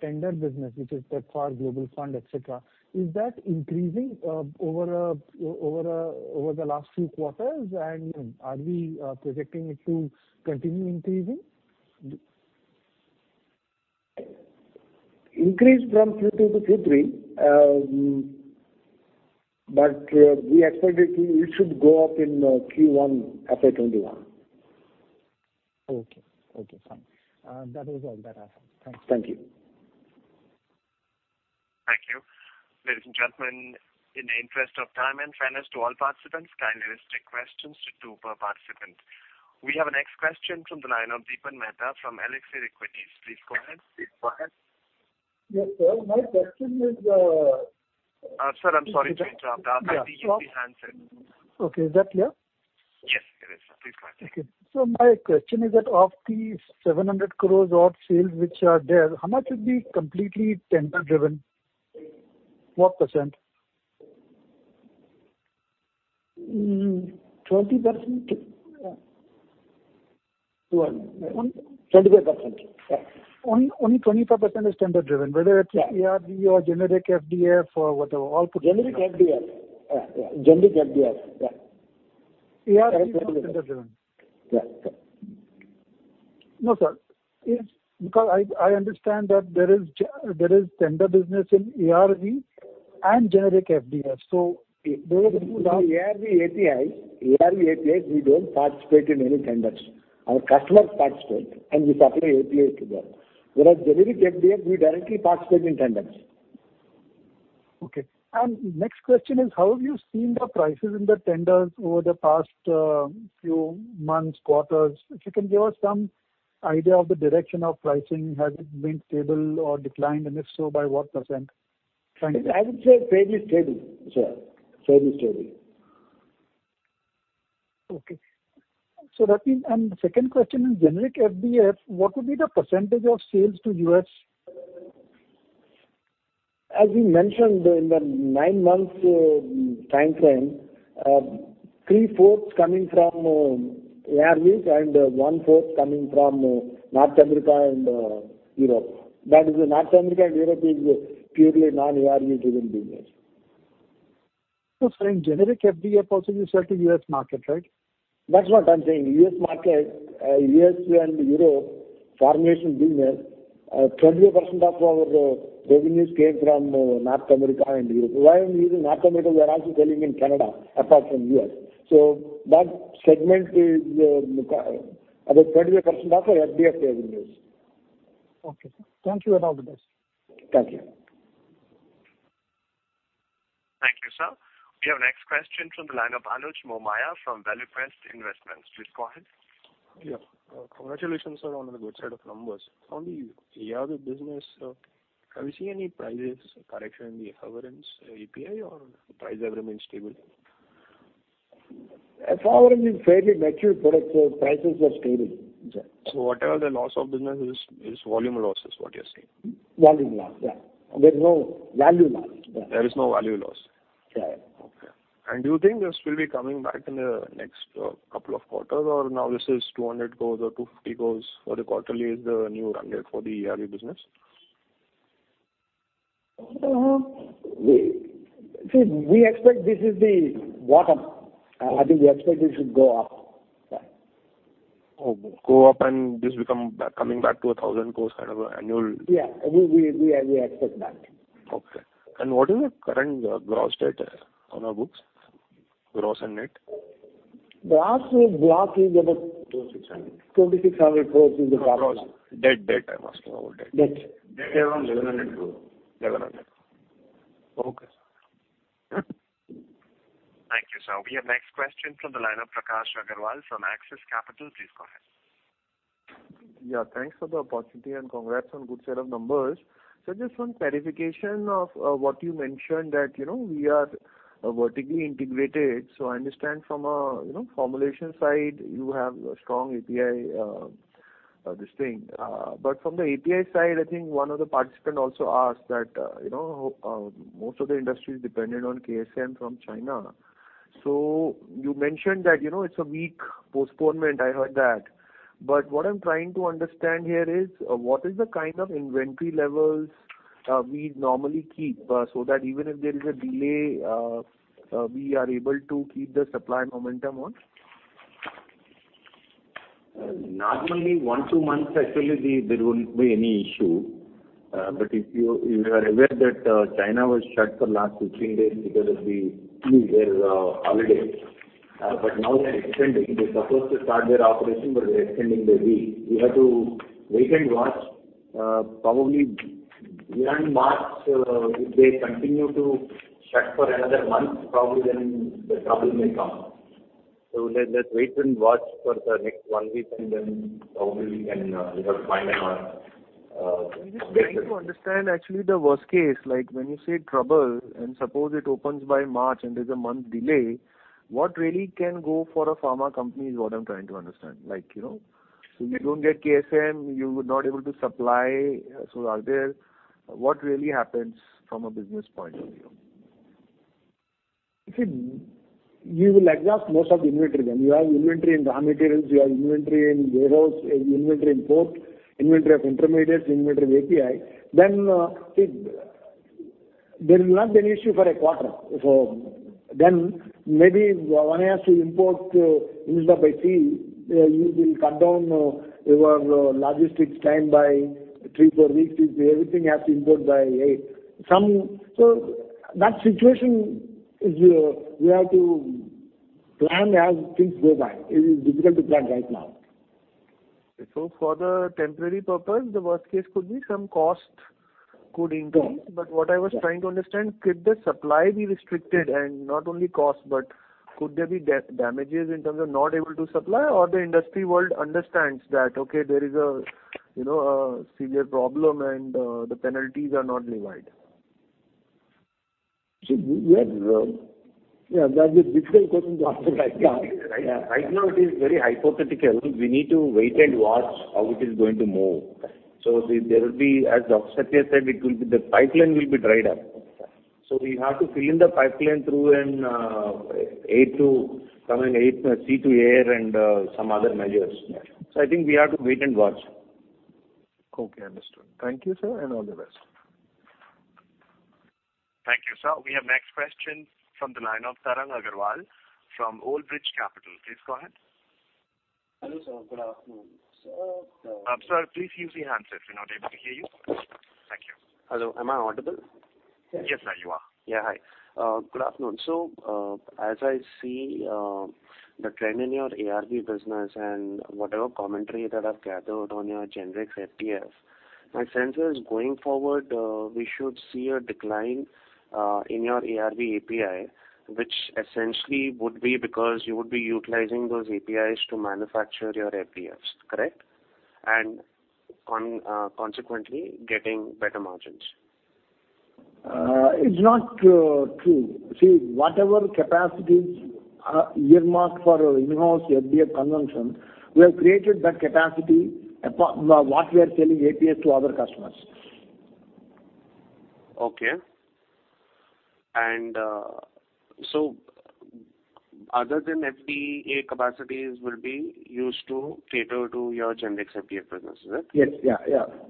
tender business, which is TLE, Global Fund, et cetera, is that increasing over the last few quarters? Are we projecting it to continue increasing? Increase from Q2 to Q3, we expect it should go up in Q1 FY 2021. Okay, fine. That is all that I have. Thanks. Thank you. Thank you. Ladies and gentlemen, in the interest of time and fairness to all participants, kindly restrict questions to two per participant. We have our next question from the line of Dipan Mehta from Elixir Equities. Please go ahead. Yes, sir. My question is. Sir, I'm sorry to interrupt. I think you lose handset. Okay. Is that clear? Yes, it is. Please go ahead. Okay. My question is that of the 700 crores odd sales which are there, how much would be completely tender-driven? What %? 20%. 25%, yeah. Only 25% is tender-driven. Yeah. Whether it's ARV or generic FDF or whatever, all put together. Generic FDF. Yeah. ARV is also tender-driven. Yeah. No, sir. I understand that there is tender business in ARV and generic FDF. ARV APIs, we don't participate in any tenders. Our customers participate, and we supply API to them. Whereas generic FDF, we directly participate in tenders. Okay. Next question is, how have you seen the prices in the tenders over the past few months, quarters? If you can give us some idea of the direction of pricing. Has it been stable or declined, and if so, by what %? Thank you. I would say fairly stable, sir. Fairly stable. Okay. Second question is, generic FDF, what would be the percentage of sales to U.S.? As we mentioned in the nine months timeframe, three-fourths coming from ARVs and one-fourth coming from North America and Europe. That is, North America and Europe is purely non-ARV driven business. No. Sir, in generic FDF also you sell to U.S. market, right? That's what I'm saying. U.S. market, U.S. and Europe formulation business, 20% of our revenues came from North America and Europe. Why I'm using North America, we are also selling in Canada apart from U.S. That segment is about 20% of FDF revenues. Okay, sir. Thank you and all the best. Thank you. Thank you, sir. We have next question from the line of Anuj Momaya from Value Quest Investments. Please go ahead. Yeah. Congratulations, sir, on the good set of numbers. On the ARV business, have you seen any prices correction in the efavirenz API or price have remained stable? efavirenz is fairly mature product, so prices are stable. Sir. Whatever the loss of business is volume loss, is what you're saying? Volume loss, yeah. There's no value loss. Yeah. There is no value loss. Yeah. Okay. Do you think this will be coming back in the next couple of quarters, or now this is 200 crores or 250 crores for the quarterly is the new run rate for the ARV business? See, we expect this is the bottom. I think we expect it should go up. Yeah. Go up and this coming back to 1,000 crore kind of annual. Yeah. We accept that. Okay. What is the current gross debt on our books? Gross and net. Gross is about- two 600. INR 2,600 crores is the gross. Gross. Debt I'm asking about. Debt. Debt around INR 1,100 crores. 1,100. Okay. Thank you, sir. We have next question from the line of Prakash Agarwal from Axis Capital. Please go ahead. Yeah. Thanks for the opportunity and congrats on good set of numbers. Just one clarification of what you mentioned that we are vertically integrated. I understand from a formulation side you have a strong API, this thing. From the API side, I think one of the participant also asked that most of the industry is dependent on KSM from China. You mentioned that it's a week postponement, I heard that. What I'm trying to understand here is, what is the kind of inventory levels we normally keep, so that even if there is a delay, we are able to keep the supply momentum on? Normally, one to two months actually there won't be any issue. You are aware that China was shut for last 15 days because of the New Year holiday. Now they're extending. They're supposed to start their operation, but they're extending the week. We have to wait and watch. Probably around March, if they continue to shut for another month, probably then the trouble may come. Let's wait and watch for the next one week and then probably we can find our way. I'm just trying to understand actually the worst case, like when you say trouble and suppose it opens by March and there's a month delay, what really can go for a pharma company is what I'm trying to understand. You don't get KSM, you would not able to supply. What really happens from a business point of view? See, you will exhaust most of the inventory then. You have inventory in raw materials, you have inventory in warehouse, inventory in port, inventory of intermediates, inventory of API. There will not be an issue for a quarter. Maybe one has to import instead of by sea, you will cut down your logistics time by three, four weeks. If everything has to import by air. That situation, we have to plan as things go by. It is difficult to plan right now. For the temporary purpose, the worst case could be some cost could increase. Yeah. What I was trying to understand, could the supply be restricted and not only cost, but could there be damages in terms of not able to supply or the industry world understands that, okay, there is a severe problem and the penalties are not levied? That's a difficult question to answer right now. Right now, it is very hypothetical. We need to wait and watch how it is going to move. There will be, as Dr. Satya said, the pipeline will be dried up. We have to fill in the pipeline through C2A and some other measures. I think we have to wait and watch. Okay, understood. Thank you, sir, and all the best. Thank you. Sir, we have next question from the line of Tarang Agarwal from Old Bridge Capital. Please go ahead. Hello, sir. Good afternoon, sir. Sir, please use your handset. We're not able to hear you. Thank you. Hello, am I audible? Yes, sir, you are. Hi. Good afternoon. As I see the trend in your ARV business and whatever commentary that I've gathered on your generics API, my sense is, going forward, we should see a decline in your ARV API, which essentially would be because you would be utilizing those APIs to manufacture your APIs, correct? Consequently, getting better margins. It's not true. See, whatever capacities are earmarked for in-house API consumption, we have created that capacity apart from what we are selling APIs to other customers. Okay. Other than FDA capacities will be used to cater to your generics API business, is it? Yes.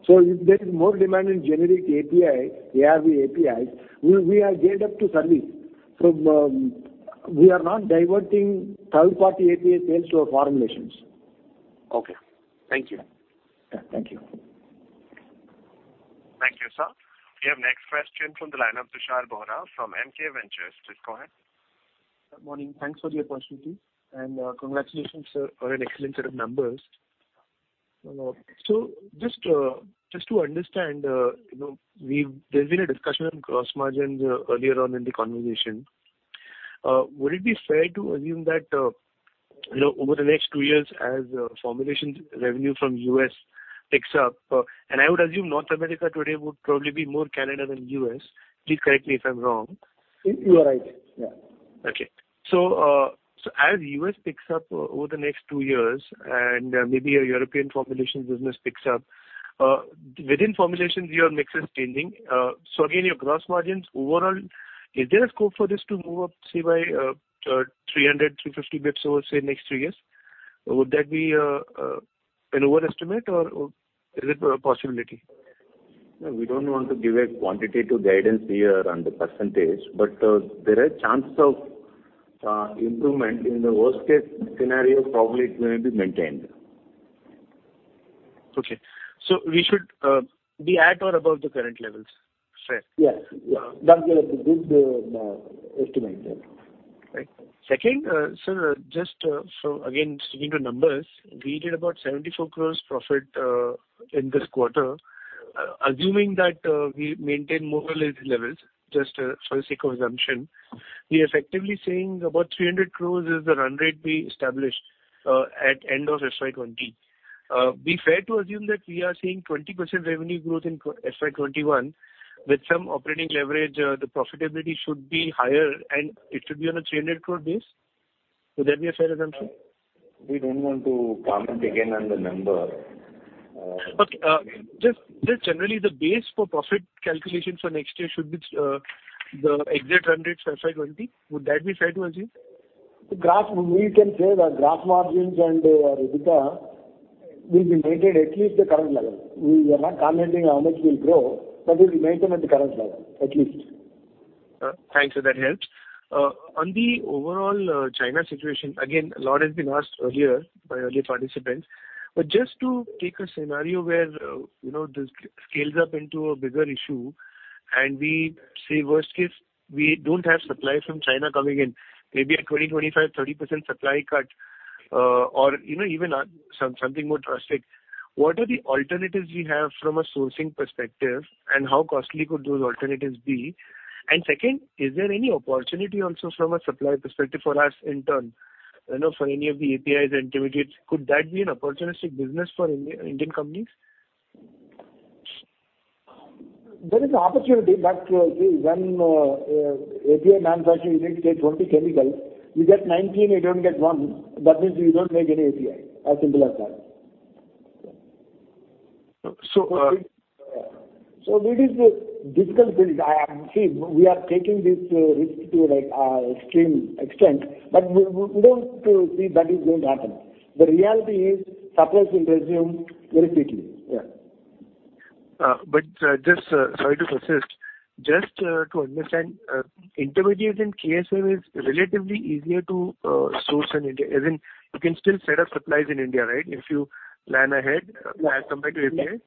If there is more demand in generic API, ARV APIs, we are geared up to serve it. We are not diverting third-party API sales to our formulations. Okay. Thank you. Yeah, thank you. Thank you, sir. We have next question from the line of Tushar Bohra from MK Ventures. Please go ahead. Good morning. Thanks for the opportunity. Congratulations, sir, for an excellent set of numbers. Just to understand, there's been a discussion on gross margins earlier on in the conversation. Would it be fair to assume that over the next two years as formulations revenue from U.S. picks up? I would assume North America today would probably be more Canada than U.S. Please correct me if I'm wrong. You are right. Yeah. Okay. As U.S. picks up over the next 2 years and maybe your European formulations business picks up, within formulations, your mix is changing. Again, your gross margins overall, is there a scope for this to move up, say, by 300, 350 basis points over, say, next 3 years? Would that be an overestimate or is it a possibility? No, we don't want to give a quantitative guidance here on the percentage, but there are chances of improvement. In the worst-case scenario, probably it's going to be maintained. Okay. We should be at or above the current levels. Fair. Yes. That will be a good estimate, yeah. Right. Second, sir, just again sticking to numbers, we did about 74 crores profit in this quarter. Assuming that we maintain more or less these levels, just for the sake of assumption, we're effectively saying about 300 crores is the run rate we established at end of FY 2020. It would be fair to assume that we are seeing 20% revenue growth in FY 2021. With some operating leverage, the profitability should be higher and it should be on an INR 300 crore base. Would that be a fair assumption? We don't want to comment again on the number. Okay. Just generally, the base for profit calculations for next year should be the exit run rate for FY 2020. Would that be fair to assume? We can say the gross margins and our EBITDA will be maintained at least the current level. We are not commenting how much we'll grow, we'll maintain them at the current level, at least. Thanks, sir. That helps. On the overall China situation, again, a lot has been asked earlier by earlier participants. Just to take a scenario where this scales up into a bigger issue and we say, worst case, we don't have supply from China coming in, maybe a 20%, 25%, 30% supply cut or even something more drastic. What are the alternatives we have from a sourcing perspective and how costly could those alternatives be? Second, is there any opportunity also from a supply perspective for us in turn, for any of the APIs, intermediates? Could that be an opportunistic business for Indian companies? There is an opportunity, but when API manufacturing, you need say 20 chemicals. You get 19, you don't get one. That means you don't make any API. As simple as that. Okay. It is a difficult pill. See, we are taking this risk to extreme extent, but we don't see that is going to happen. The reality is supplies will resume very quickly. Yeah. Just, sorry to persist, just to understand, intermediates and KSM is relatively easier to source in India. As in, you can still set up supplies in India, right? If you plan ahead as compared to APIs.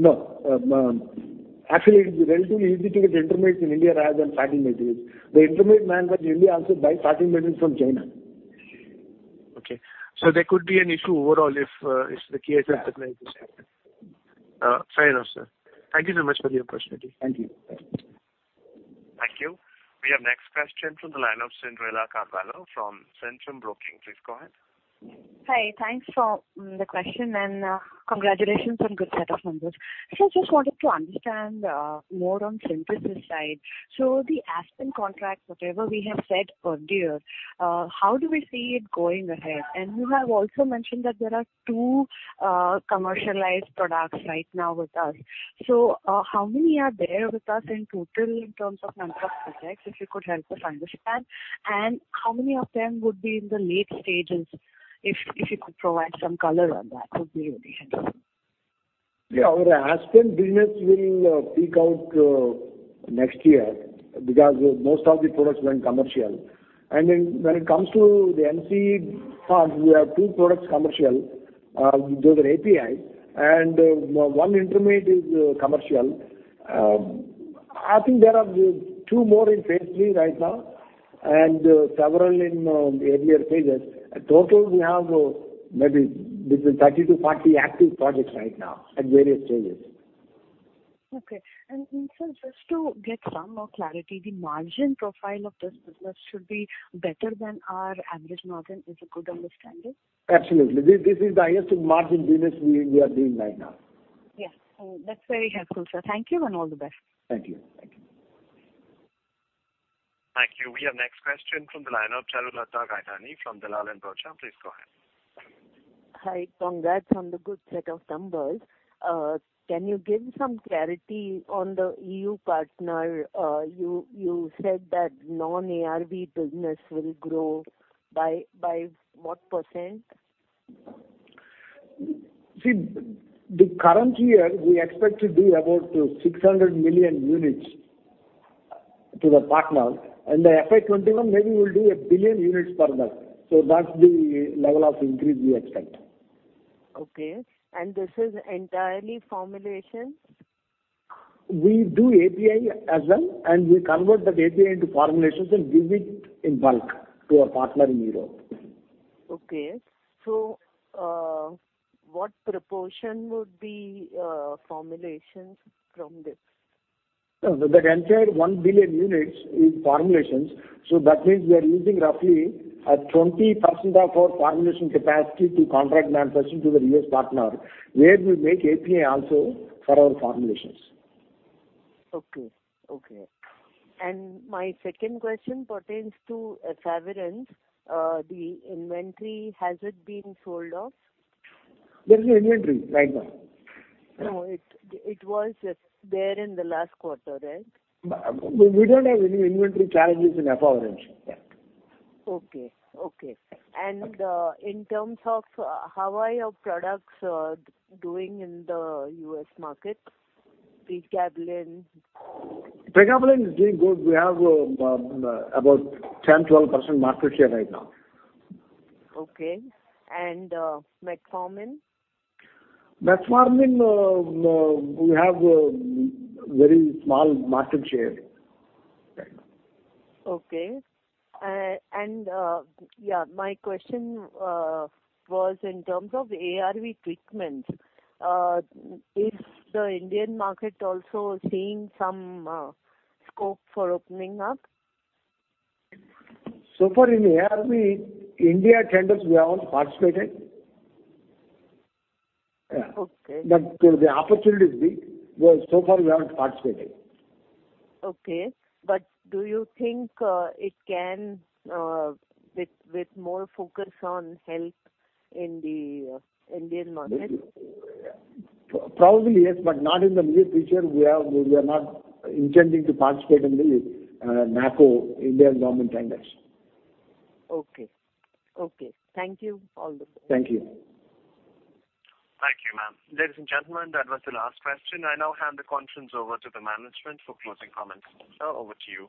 No. Actually, it is relatively easy to get intermediates in India rather than starting materials. The intermediate manufacturer in India also buys starting materials from China. Okay. There could be an issue overall if the KSM supplies are affected. Fair enough, sir. Thank you so much for the opportunity. Thank you. We have next question from the line of Cyndrella Carvalho from Centrum Broking. Please go ahead. Hi. Thanks for the question, and congratulations on good set of numbers. Sir, I just wanted to understand more on synthesis side. The Aspen contract, whatever we have said earlier, how do we see it going ahead? You have also mentioned that there are two commercialized products right now with us. How many are there with us in total in terms of number of projects, if you could help us understand? How many of them would be in the late stages? If you could provide some color on that, would be very helpful. Yeah. Our Aspen business will peak out next year because most of the products went commercial. When it comes to the NCE products, we have 2 products commercial. Those are API, and 1 intermediate is commercial. I think there are 2 more in phase III right now and several in earlier stages. Total, we have maybe between 30-40 active projects right now at various stages. Okay. Sir, just to get some more clarity, the margin profile of this business should be better than our average margin. Is a good understanding? Absolutely. This is the highest margin business we are doing right now. Yeah. That's very helpful, sir. Thank you, and all the best. Thank you. Thank you. We have next question from the line of Charulata Gaidhani from Dalal & Broacha. Please go ahead. Hi. Congrats on the good set of numbers. Can you give some clarity on the EU partner? You said that non-ARV business will grow by what %? See, the current year, we expect to do about 600 million units to the partner. The FY 2021, maybe we'll do 1 billion units per annum. That's the level of increase we expect. Okay. This is entirely formulations? We do API as well, and we convert that API into formulations and give it in bulk to our partner in Europe. Okay. What proportion would be formulations from this? No. That entire 1 billion units is formulations. That means we are using roughly 20% of our formulation capacity to contract manufacturing to the U.S. partner, where we make API also for our formulations. Okay. My second question pertains to efavirenz. The inventory, has it been sold off? There's no inventory right now. No, it was there in the last quarter, right? We don't have any inventory challenges in efavirenz. Yeah. Okay. In terms of how are your products doing in the U.S. market? pregabalin. pregabalin is doing good. We have about 10, 12% market share right now. Okay. metformin? metformin, we have a very small market share right now. Okay. Yeah, my question was in terms of ARV treatments. Is the Indian market also seeing some scope for opening up? So far in ARV, India tenders, we haven't participated. Okay. The opportunity is big. Far, we haven't participated. Okay. Do you think it can, with more focus on health in the Indian market? Probably, yes, but not in the near future. We are not intending to participate in the NACO India government tenders. Okay. Thank you. All the best. Thank you. Thank you, ma'am. Ladies and gentlemen, that was the last question. I now hand the conference over to the management for closing comments. Sir, over to you.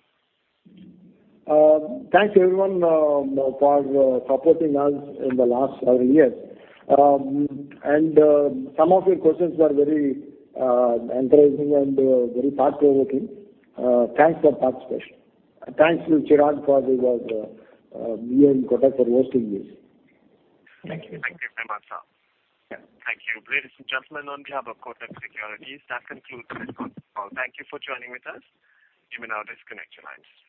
Thanks, everyone, for supporting us in the last several years. Some of your questions are very encouraging and very thought-provoking. Thanks for participation. Thanks to Chirag and Kotak for hosting this. Thank you. Thank you very much, sir. Yeah. Thank you. Ladies and gentlemen, on behalf of Kotak Securities, that concludes this conference call. Thank you for joining with us. You may now disconnect your lines.